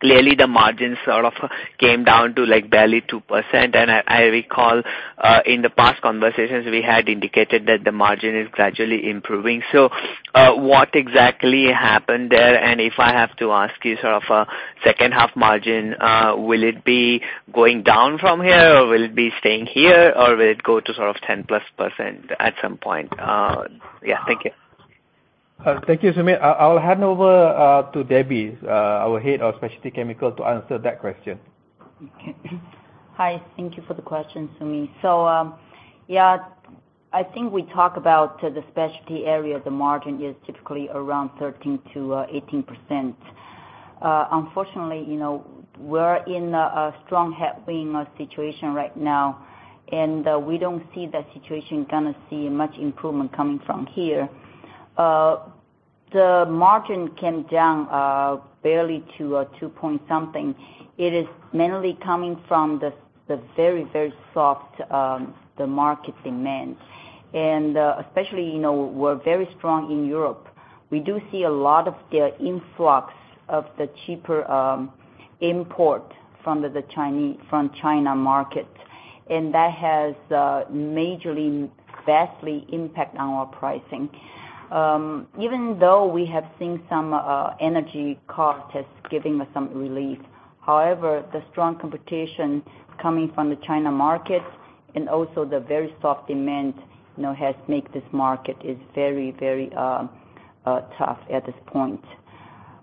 Clearly, the margins sort of came down to, like, barely 2%, and I, I recall, in the past conversations, we had indicated that the margin is gradually improving. What exactly happened there? If I have to ask you sort of a second half margin, will it be going down from here, or will it be staying here, or will it go to sort of 10+% at some point? Yeah, thank you. Thank you, Sumit. I, I'll hand over to Debbie, our Head of Specialty Chemicals, to answer that question. Hi, thank you for the question, Sumit. Yeah, I think we talk about the specialty area, the margin is typically around 13%-18%. Unfortunately, you know, we're in a strong headwind situation right now, and we don't see that situation gonna see much improvement coming from here. The margin came down barely 2 or 2 point something. It is mainly coming from the very, very soft the market demand. Especially, you know, we're very strong in Europe. We do see a lot of the influx of the cheaper import from the Chinese, from China market, and that has majorly, vastly impact on our pricing. Even though we have seen some energy costs giving us some relief, however, the strong competition coming from the China market and also the very soft demand, you know, has make this market is very, very tough at this point.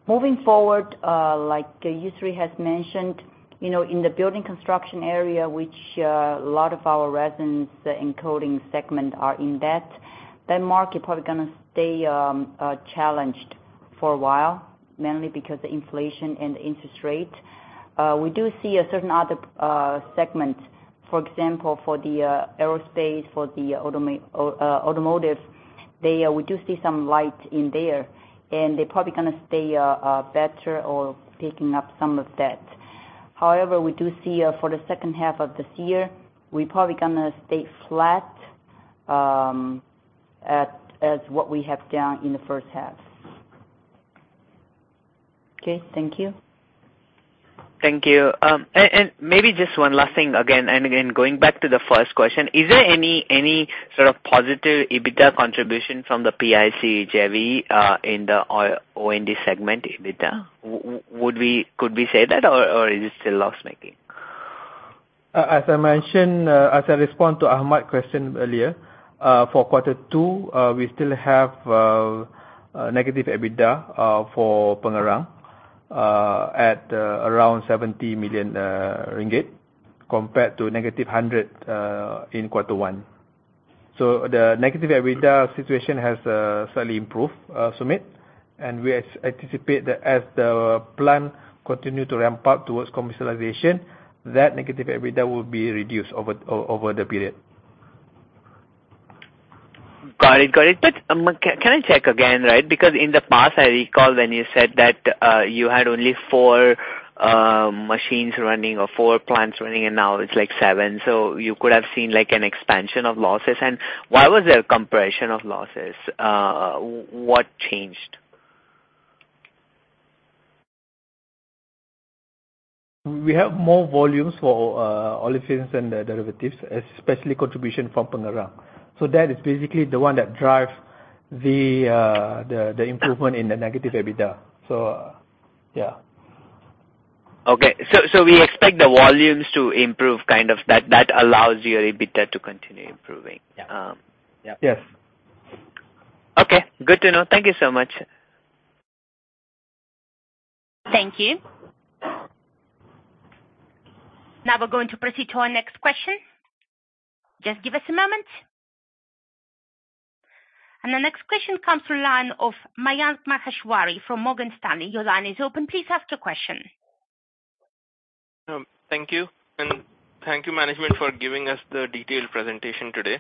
Moving forward, like Yusri has mentioned, you know, in the building construction area, which a lot of our resins, the encoding segment are in that, that market probably gonna stay challenged for a while, mainly because the inflation and interest rate. We do see a certain other segment, for example, for the aerospace, for the automotive, they, we do see some light in there, and they're probably gonna stay better or picking up some of that. However, we do see, for the second half of this year, we're probably gonna stay flat, at, as what we have done in the first half. Okay, thank you. Thank you. Maybe just one last thing, again, and again, going back to the first question, is there any, any sort of positive EBITDA contribution from the PIC JV, in the O&D segment EBITDA? Would we, could we say that, or, or is it still loss-making? As I mentioned, as I respond to Ahmad question earlier, for quarter two, we still have negative EBITDA for Pengerang at around 70 million ringgit, compared to negative 100 in quarter one. The negative EBITDA situation has slightly improved, Sumit, and we anticipate that as the plan continue to ramp up towards commercialization, that negative EBITDA will be reduced over, over the period. Got it. Got it. Can I check again, right? Because in the past, I recall when you said that you had only 4 machines running or 4 plants running, and now it's like 7. You could have seen, like, an expansion of losses. Why was there a compression of losses? What changed? We have more volumes for Olefins and Derivatives, especially contribution from Pengerang. That is basically the one that drive the improvement in the negative EBITDA. Yeah. Okay. We expect the volumes to improve, kind of that, that allows your EBITDA to continue improving? Yeah. Yeah. Yes. Okay, good to know. Thank you so much. Thank you. Now we're going to proceed to our next question. Just give us a moment. The next question comes from line of Mayank Maheshwari from Morgan Stanley. Your line is open. Please ask your question. Thank you, and thank you, management, for giving us the detailed presentation today.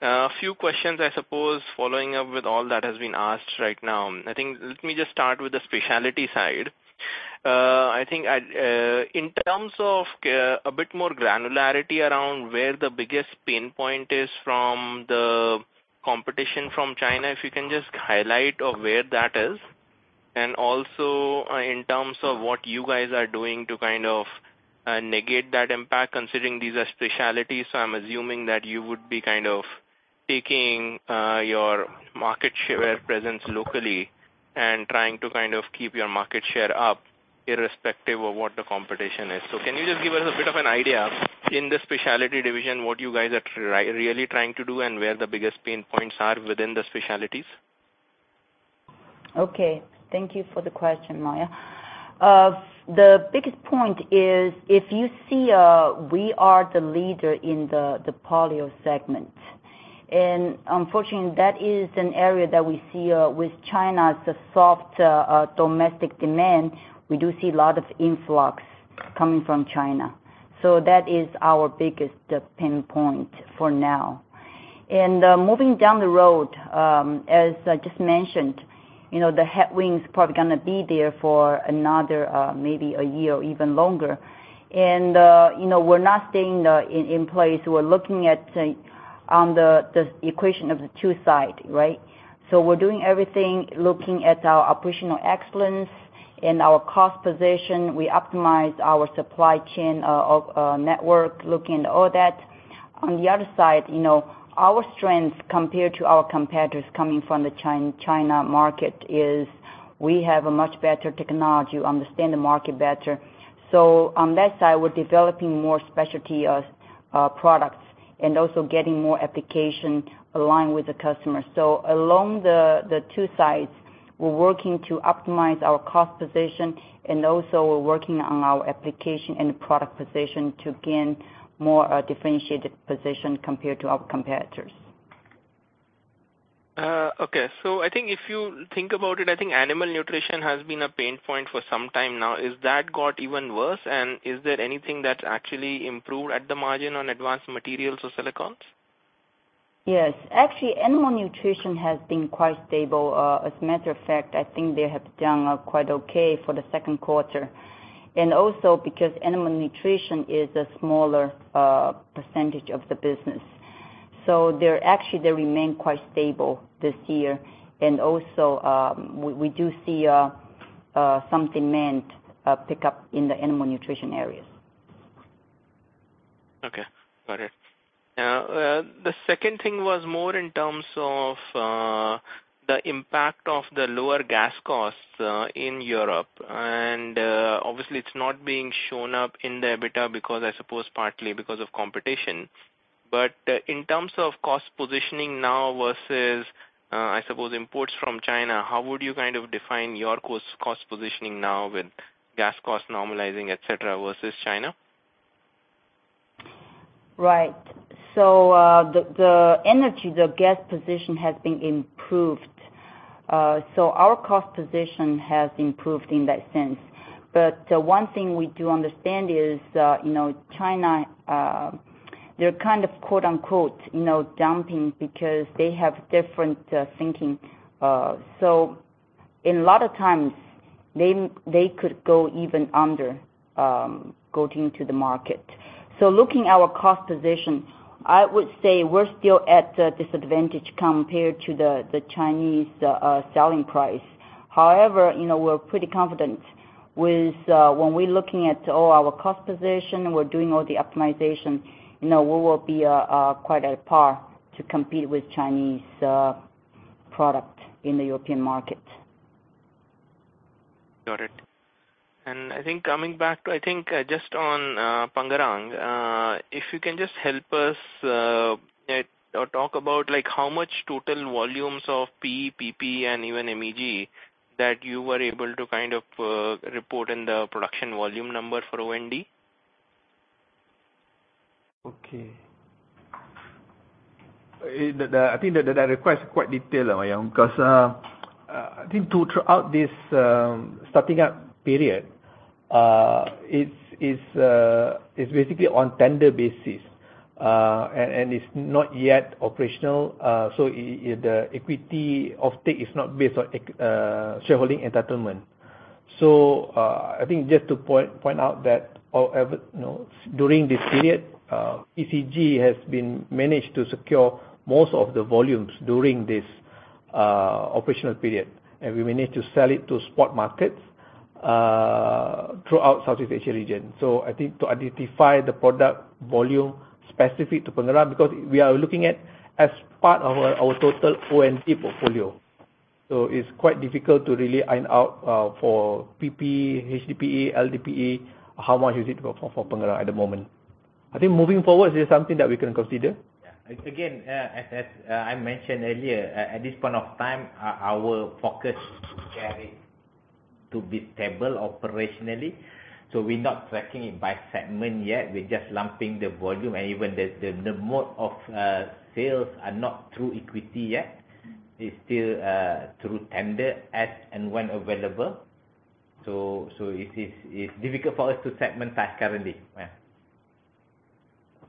A few questions, I suppose, following up with all that has been asked right now. Let me just start with the specialty side. In terms of a bit more granularity around where the biggest pain point is from the competition from China, if you can just highlight of where that is? And also, in terms of what you guys are doing to kind of negate that impact, considering these are specialties, so I'm assuming that you would be kind of taking your market share presence locally and trying to kind of keep your market share up, irrespective of what the competition is. Can you just give us a bit of an idea, in the Specialty division, what you guys are really trying to do and where the biggest pain points are within the Specialties? Okay, thank you for the question, Maya. The biggest point is, if you see, we are the leader in the Polyolefins segment. Unfortunately, that is an area that we see, with China, the soft domestic demand, we do see a lot of influx coming from China. That is our biggest pain point for now. Moving down the road, as I just mentioned, you know, the headwind is probably gonna be there for another maybe a year or even longer. You know, we're not staying in, in place. We're looking at, on the, the equation of the two side, right? We're doing everything, looking at our operational excellence and our cost position. We optimize our supply chain of network, looking at all that. On the other side, you know, our strengths compared to our competitors coming from the China market is we have a much better technology, we understand the market better. On that side, we're developing more specialty products, and also getting more application aligned with the customer. Along the, the two sides, we're working to optimize our cost position, and also we're working on our application and product position to gain more differentiated position compared to our competitors. Okay. I think if you think about it, I think Animal Nutrition has been a pain point for some time now. Is that got even worse, and is there anything that actually improved at the margin on advanced materials or silicones? Yes. Actually, Animal Nutrition has been quite stable. As a matter of fact, I think they have done quite okay for the second quarter. Because Animal Nutrition is a smaller percentage of the business. They're, actually, they remain quite stable this year. We, we do see some demand pick up in the Animal Nutrition areas. Okay. Got it. Now, the second thing was more in terms of the impact of the lower gas costs in Europe. Obviously, it's not being shown up in the EBITDA because I suppose partly because of competition. In terms of cost positioning now versus I suppose imports from China, how would you kind of define your cost, cost positioning now with gas costs normalizing, et cetera, versus China? Right. The energy, the gas position has been improved. Our cost position has improved in that sense. One thing we do understand is, you know, China, they're kind of, quote, unquote, you know, dumping because they have different thinking. In a lot of times, they could go even under quoting to the market. Looking at our cost position, I would say we're still at a disadvantage compared to the Chinese selling price. However, you know, we're pretty confident with, when we're looking at all our cost position, we're doing all the optimization, you know, we will be quite at par to compete with Chinese product in the European market. Got it. I think coming back to, I think, just on Pengerang, if you can just help us, at, or talk about like how much total volumes of PE, PP, and even MEG, that you were able to kind of, report in the production volume number for O&D? The, the, I think that, that requires quite detail, Maya, because, I think throughout this starting up period, it's, it's, it's basically on tender basis. And it's not yet operational, so the equity of take is not based on shareholding entitlement. I think just to point, point out that however, you know, during this period, ECG has been managed to secure most of the volumes during this operational period, and we managed to sell it to spot markets throughout South Asia region. I think to identify the product volume specific to Pengerang, because we are looking at as part of our, our total O&D portfolio. It's quite difficult to really iron out for PP, HDPE, LDPE, how much is it for, for Pengerang at the moment. I think moving forward, this is something that we can consider. Yeah. It's again, as, as, I mentioned earlier, at, at this point of time, our, our focus is getting to be stable operationally. So we're not tracking it by segment yet, we're just lumping the volume, and even the, the, the mode of sales are not through equity yet. It's still through tender as and when available. So it is, it's difficult for us to segment as currently.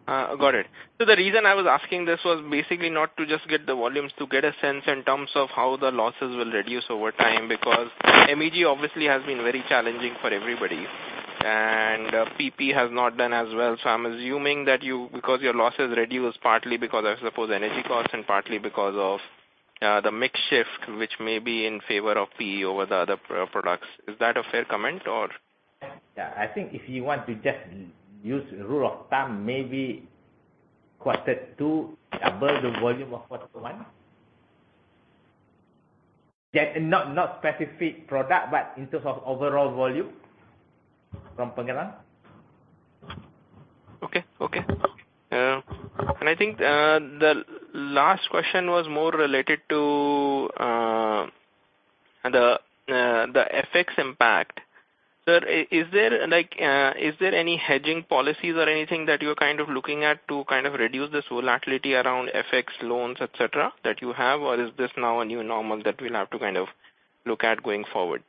Yeah. Got it. The reason I was asking this was basically not to just get the volumes, to get a sense in terms of how the losses will reduce over time, because MEG obviously has been very challenging for everybody, and PP has not done as well, so I'm assuming that you, because your loss has reduced partly because, I suppose, energy costs and partly because of the mix shift, which may be in favor of PE over the other products. Is that a fair comment or? Yeah, I think if you want to just use rule of thumb, maybe quarter two, above the volume of quarter one. Not specific product, but in terms of overall volume from Pengerang. Okay. Okay. I think the last question was more related to the FX impact. Sir, is there like, is there any hedging policies or anything that you're kind of looking at to kind of reduce this volatility around FX loans, et cetera, that you have? Or is this now a new normal that we'll have to kind of look at going forward?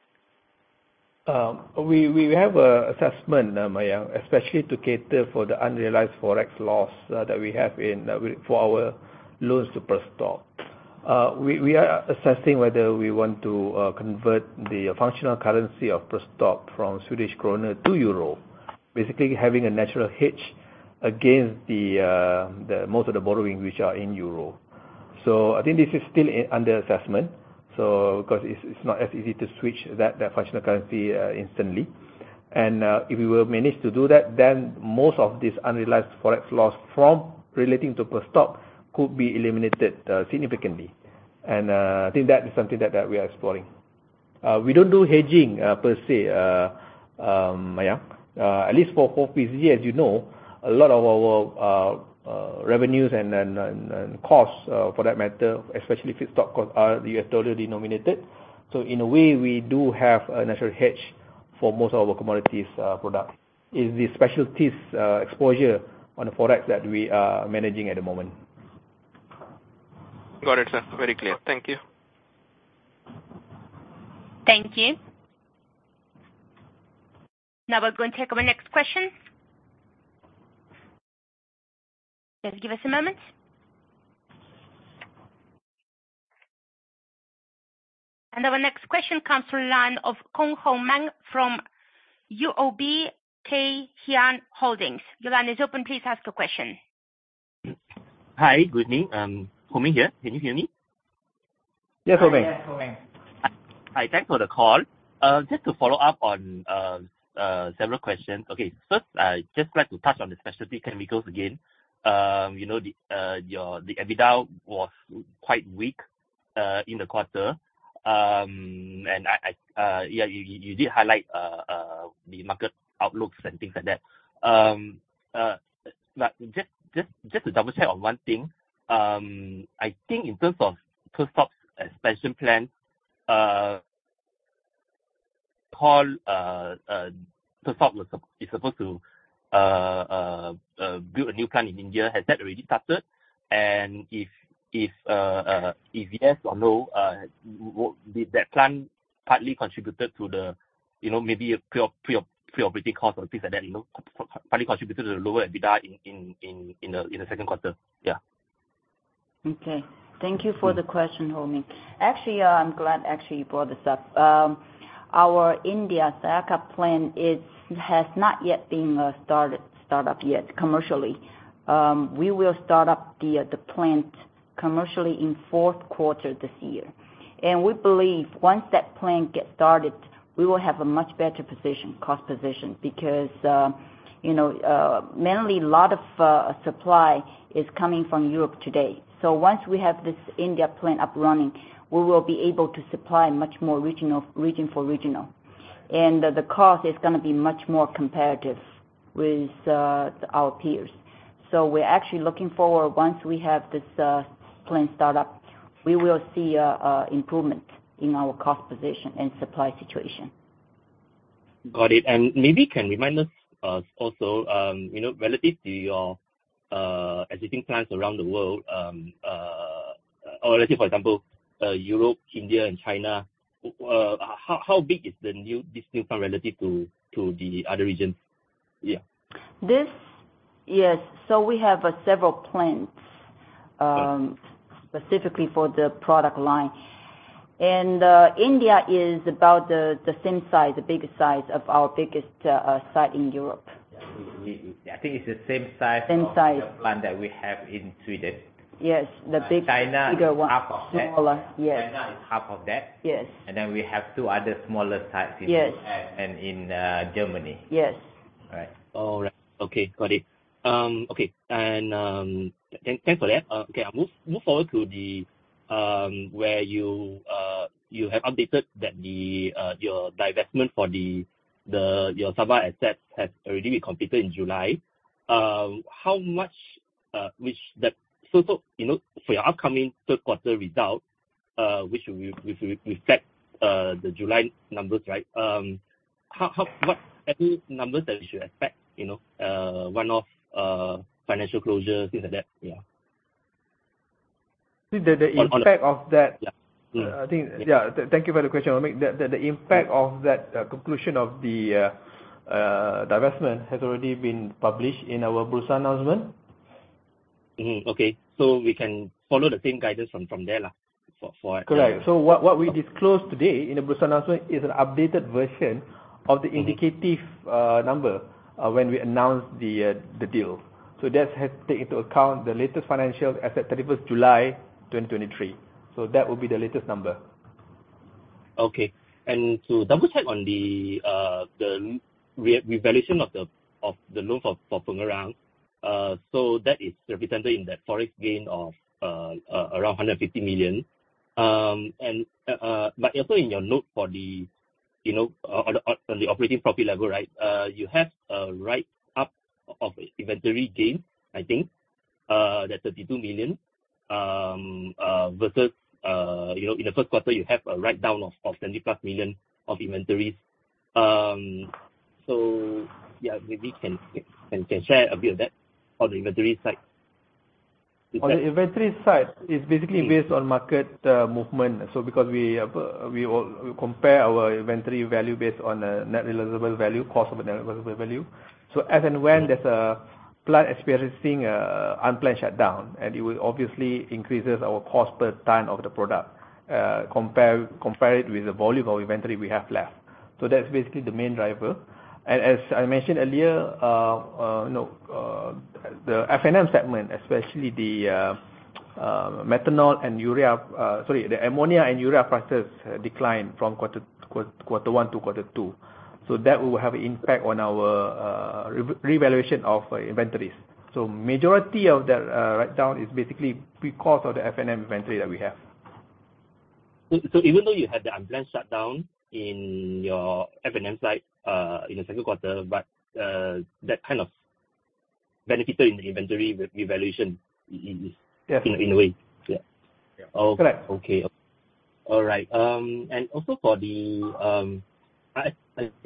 We, we have a assessment, Mayang, especially to cater for the unrealized FOREX loss that we have for our loans to Perstorp. We, we are assessing whether we want to convert the functional currency of Perstorp from Swedish krona to euro, basically having a natural hedge against the most of the borrowing, which are in euro. I think this is still under assessment because it's not as easy to switch that functional currency instantly. If we will manage to do that, then most of these unrealized FOREX loss from relating to Perstorp could be eliminated significantly. I think that is something that we are exploring. We don't do hedging per se, Mayang. At least for, for PZ, as you know, a lot of our revenues and, and, and, and costs, for that matter, especially if stock costs are US dollar denominated. In a way, we do have a natural hedge for most of our commodities, product. It's the specialties, exposure on the forex that we are managing at the moment. Got it, sir. Very clear. Thank you. Thank you. Now we're going to take our next question. Just give us a moment. Our next question comes from the line of Ho Meng Kong from UOB-Kay Hian Holdings Limited. Your line is open, please ask your question. Hi, good evening. Ho Meng here. Can you hear me? Yes, Ho Meng. Yes, Ho Meng. Hi, thanks for the call. Just to follow up on several questions. Okay, first, I'd just like to touch on the Specialty Chemicals again. You know, the your the EBITDA was quite weak in the quarter. I, yeah, you, you did highlight the market outlooks and things like that. Just to double check on one thing, I think in terms of Perstorp's expansion plan, Perstorp was, is supposed to build a new plant in India. Has that already started? If yes or no, did that plan partly contributed to the, you know, maybe a pre-operating cost or things like that, you know, partly contributed to the lower EBITDA in the second quarter? Yeah. Okay. Thank you for the question, Ho Meng. Actually, I'm glad actually you brought this up. Our India Sayakha plant, it has not yet been started, start up yet commercially. We will start up the plant commercially in fourth quarter this year. We believe once that plant gets started, we will have a much better position, cost position, because, you know, mainly a lot of supply is coming from Europe today. Once we have this India plant up running, we will be able to supply much more regional, region for regional. The cost is gonna be much more competitive with our peers. We're actually looking forward, once we have this plant start up, we will see a improvement in our cost position and supply situation. Got it. maybe can you remind us, also, you know, relative to your existing plants around the world, or let's say for example, Europe, India and China, how big is this new plant relative to the other regions? Yeah. This... Yes, we have, several plants- Yes. specifically for the product line. India is about the same size, the biggest size of our biggest site in Europe. Yeah, we, we, I think it's the same size- Same size... the plant that we have in Sweden. Yes, the big- China- bigger one. Half of that. Smaller, yes. China is half of that. Yes. Then we have two other smaller sites in. Yes and in Germany. Yes. Right. All right. Okay, got it. Okay, thank, thanks for that. Okay, I'll move, move forward to the, where you, you have updated that the, your divestment for the, the, your Sabah assets has already been completed in July. How much, which that, so, so, you know, for your upcoming third quarter results, which will, which will reflect, the July numbers, right? How, how, what are the numbers that we should expect, you know, one-off, financial closures, things like that? Yeah. The impact of that- Yeah. I think, yeah, thank you for the question. The, the, the impact of that conclusion of the divestment has already been published in our Bursa announcement. Mm-hmm. Okay, we can follow the same guidance from there. Correct. What we disclosed today in the press announcement is an updated version of the indicative number when we announced the deal. That has take into account the latest financial as at 31st July, 2023. That will be the latest number. Okay. To double check on the revaluation of the loan for Pengerang, so that is represented in the FOREX gain of around 150 million. Also in your note for the, you know, on the operating profit level, right, you have a write up of inventory gain, I think, that's 32 million, versus, you know, in the first quarter, you have a write down of 70+ million of inventories. Yeah, maybe you can share a bit of that on the inventory side. On the inventory side, it's basically based on market movement. Because we have, we compare our inventory value based on net realizable value, cost of net realizable value. As and when there's a plant experiencing unplanned shutdown, it will obviously increases our cost per ton of the product, compare it with the volume of inventory we have left. That's basically the main driver. As I mentioned earlier, you know, the F&M segment, especially the methanol and urea, sorry, the ammonia and urea prices declined from quarter 1 to quarter 2. That will have an impact on our revaluation of inventories. Majority of the write down is basically because of the F&M inventory that we have. Even though you had the unplanned shutdown in your F&M side, in the second quarter, but, that kind of benefited in the inventory revaluation. Yeah... in a way? Yeah. Yeah. Oh. Correct. Okay. All right. Also for the, I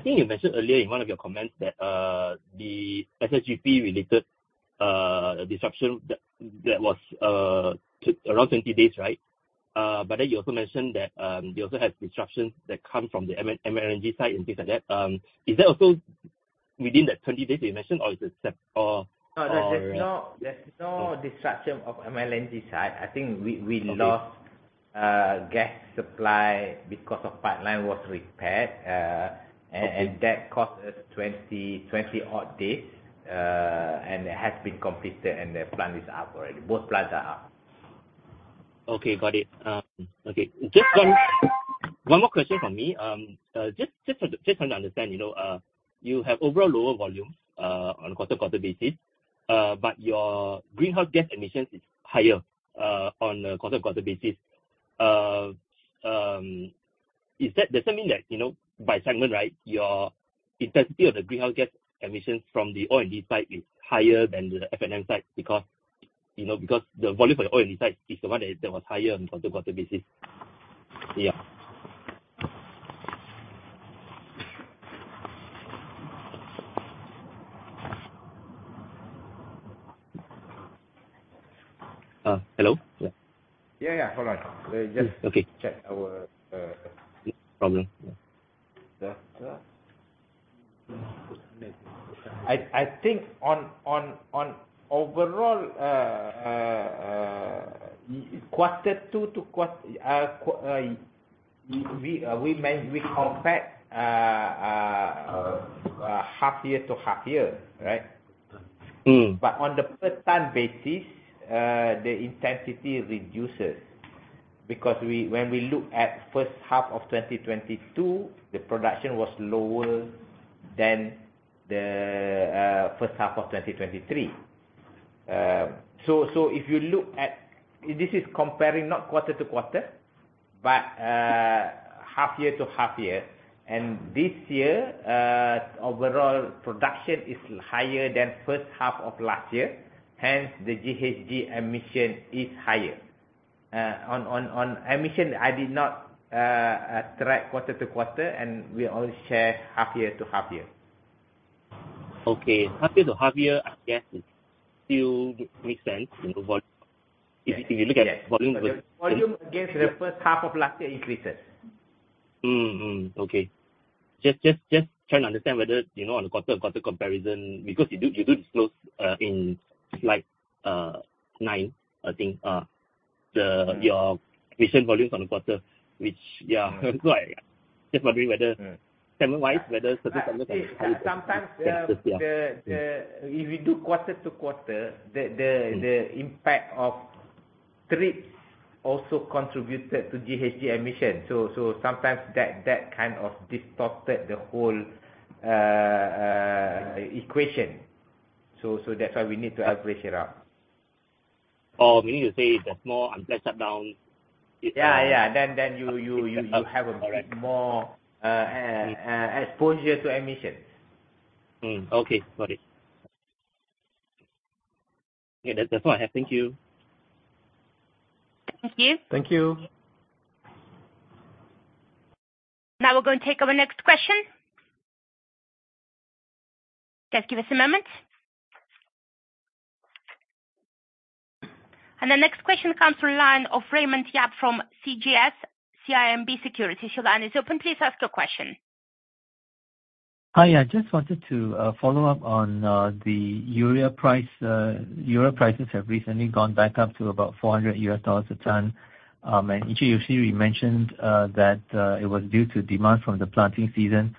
think you mentioned earlier in one of your comments that the SSGP related disruption that was around 20 days, right? Then you also mentioned that you also had disruptions that come from the MLNG side and things like that. Is that also within the 20 days you mentioned, or is it? No, there's no, there's no disruption of MLNG side. I think we, we lost- Okay... gas supply because of pipeline was repaired. Okay... That cost us 20, 20 odd days. It has been completed. The plant is up already. Both plants are up. Okay, got it. Okay. Just one, one more question from me. Just trying to understand, you know, you have overall lower volumes on a quarter-over-quarter basis, but your greenhouse gas emissions is higher on a quarter-over-quarter basis. Is that, does that mean that, you know, by segment, right, your intensity of the greenhouse gas emissions from the O&D side is higher than the F&M side? Because, you know, because the volume for the O&D side is the one that, that was higher on quarter-over-quarter basis. Yeah. Hello? Yeah. Yeah, yeah. Hold on. Okay. Let me just check our... No problem. Yeah. Yeah. I think on overall Q2 to we compare half year to half year, right? Mm. On the per ton basis, the intensity reduces because when we look at first half of 2022, the production was lower than the first half of 2023. This is comparing not quarter to quarter, but half year to half year. This year, overall production is higher than first half of last year, hence, the GHG emission is higher. On emission, I did not track quarter to quarter, and we only share half year to half year. Okay. Half year to half year, I guess it still makes sense, you know, volume. Yes. If you look at volume... Volume against the first half of last year increases. Mm, mm. Okay. Just, just, just trying to understand whether, you know, on a quarter-over-quarter comparison, because you do, you do disclose, in slide 9, I think, your recent volumes on the quarter, which, yeah, just wondering whether... Mm... semester wise. Sometimes. Yeah... if you do quarter to quarter, the impact of trips also contributed to GHG emission. Sometimes that, that kind of distorted the whole equation. That's why we need to average it out. Oh, meaning you say the small unplanned shutdown- Yeah, yeah. Then you, you, you, you have- All right.... a bit more exposure to emissions. Okay, got it. Yeah, that's, that's all I have. Thank you. Thank you. Thank you. Now we're going to take our next question. Just give us a moment. The next question comes through line of Raymond Yap from CGS-CIMB Securities. Your line is open, please ask your question. Hi, I just wanted to follow up on the urea price. Urea prices have recently gone back up to about $400 a ton. Yusri, you mentioned that it was due to demand from the planting season.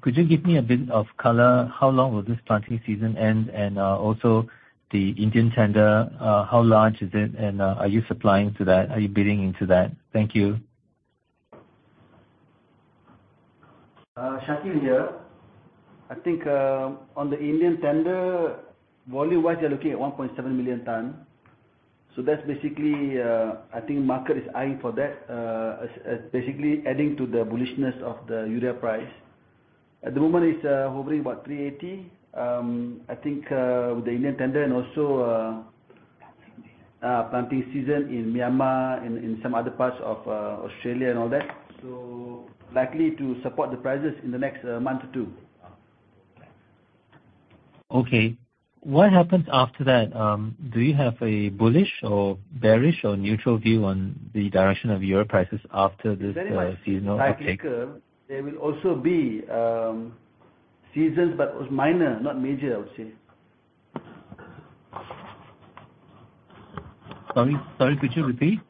Could you give me a bit of color? How long will this planting season end, and also the Indian tender, how large is it? Are you supplying to that? Are you bidding into that? Thank you. Shakeel here. I think on the Indian tender, volume-wise, they're looking at 1.7 million ton. That's basically, I think market is eyeing for that, as basically adding to the bullishness of the urea price. At the moment, it's hovering about $380. I think with the Indian tender and also planting season in Myanmar and some other parts of Australia and all that, likely to support the prices in the next month or two. Okay. What happens after that? Do you have a bullish or bearish, or neutral view on the direction of urea prices after this seasonal? Very much. Okay. I think, there will also be seasons, but it was minor, not major, I would say. Sorry, sorry, could you repeat?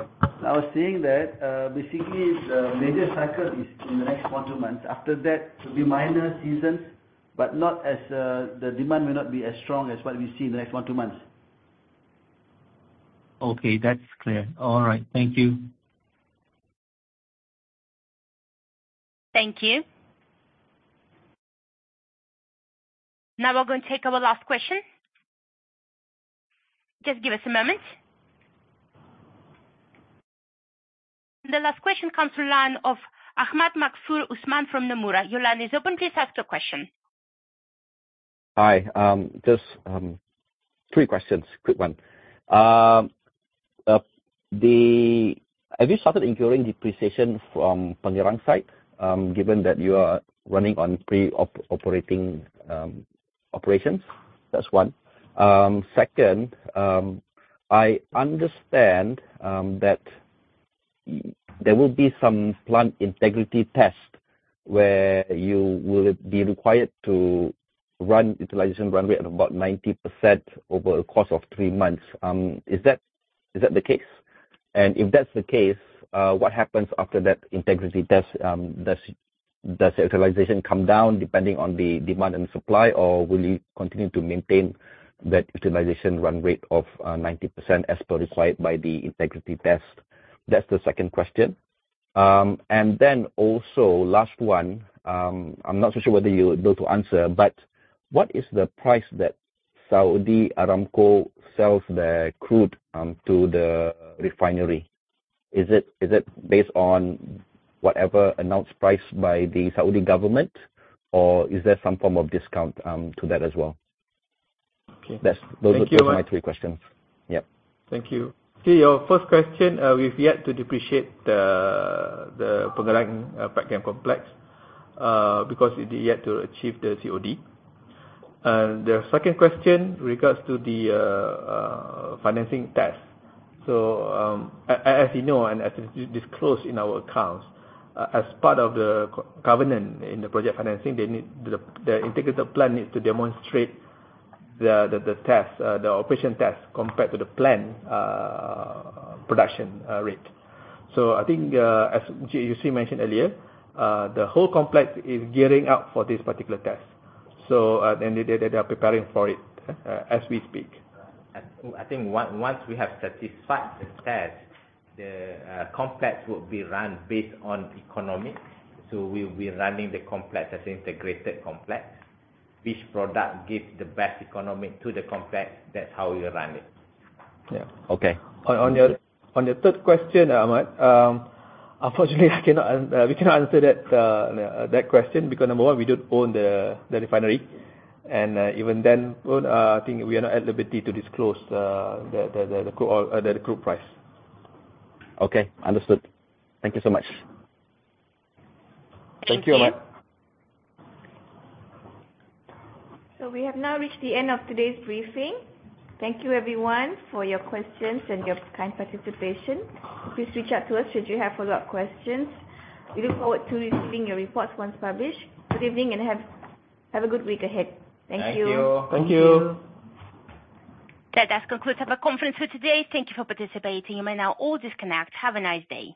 I was saying that, basically the major cycle is in the next one, two months. After that, will be minor seasons, but not as, the demand may not be as strong as what we see in the next one, two months. Okay. That's clear. All right. Thank you. Thank you. Now, we're going to take our last question. Just give us a moment. The last question comes from line of Ahmad Maghfur Usman from Nomura. Your line is open, please ask your question. Hi, just three questions. Quick one. Have you started incurring depreciation from Pengerang site, given that you are running on pre-op operating operations? That's one. Second, I understand that there will be some plant integrity test where you will be required to run utilization run rate at about 90% over the course of three months. Is that, is that the case? If that's the case, what happens after that integrity test? Does, does the utilization come down depending on the demand and supply, or will you continue to maintain that utilization run rate of 90% as per required by the integrity test? That's the second question. Last one, I'm not so sure whether you're able to answer, but what is the price that Saudi Aramco sells their crude to the refinery? Is it, is it based on whatever announced price by the Saudi government, or is there some form of discount to that as well? Okay. That's- Thank you, Ahmad. Those are my 3 questions. Yep. Thank you. To your first question, we've yet to depreciate the, the Pengerang, packet complex, because it is yet to achieve the COD. The second question regards to the financing test. As you know, and as is disclosed in our accounts, as part of the covenant in the project financing, they need the, the integrated plan needs to demonstrate the, the, the test, the operation test compared to the plan, production, rate. I think, as Yusri mentioned earlier, the whole complex is gearing up for this particular test, and they, they, they are preparing for it, as we speak. I think once we have certified the test, the complex will be run based on economics. We will be running the complex as integrated complex. Which product gives the best economic to the complex, that's how we run it. Yeah. Okay. On, on your, on your third question, Ahmad, unfortunately, I cannot we cannot answer that that question, because number one, we don't own the, the refinery. Even then, well, I think we are not at liberty to disclose, the, the, the, the crude price. Okay. Understood. Thank you so much. Thank you, Ahmad. Thank you. We have now reached the end of today's briefing. Thank you everyone for your questions and your kind participation. Please reach out to us should you have follow-up questions. We look forward to receiving your reports once published. Good evening, and have a good week ahead. Thank you. Thank you. Thank you. That does conclude our conference for today. Thank you for participating. You may now all disconnect. Have a nice day.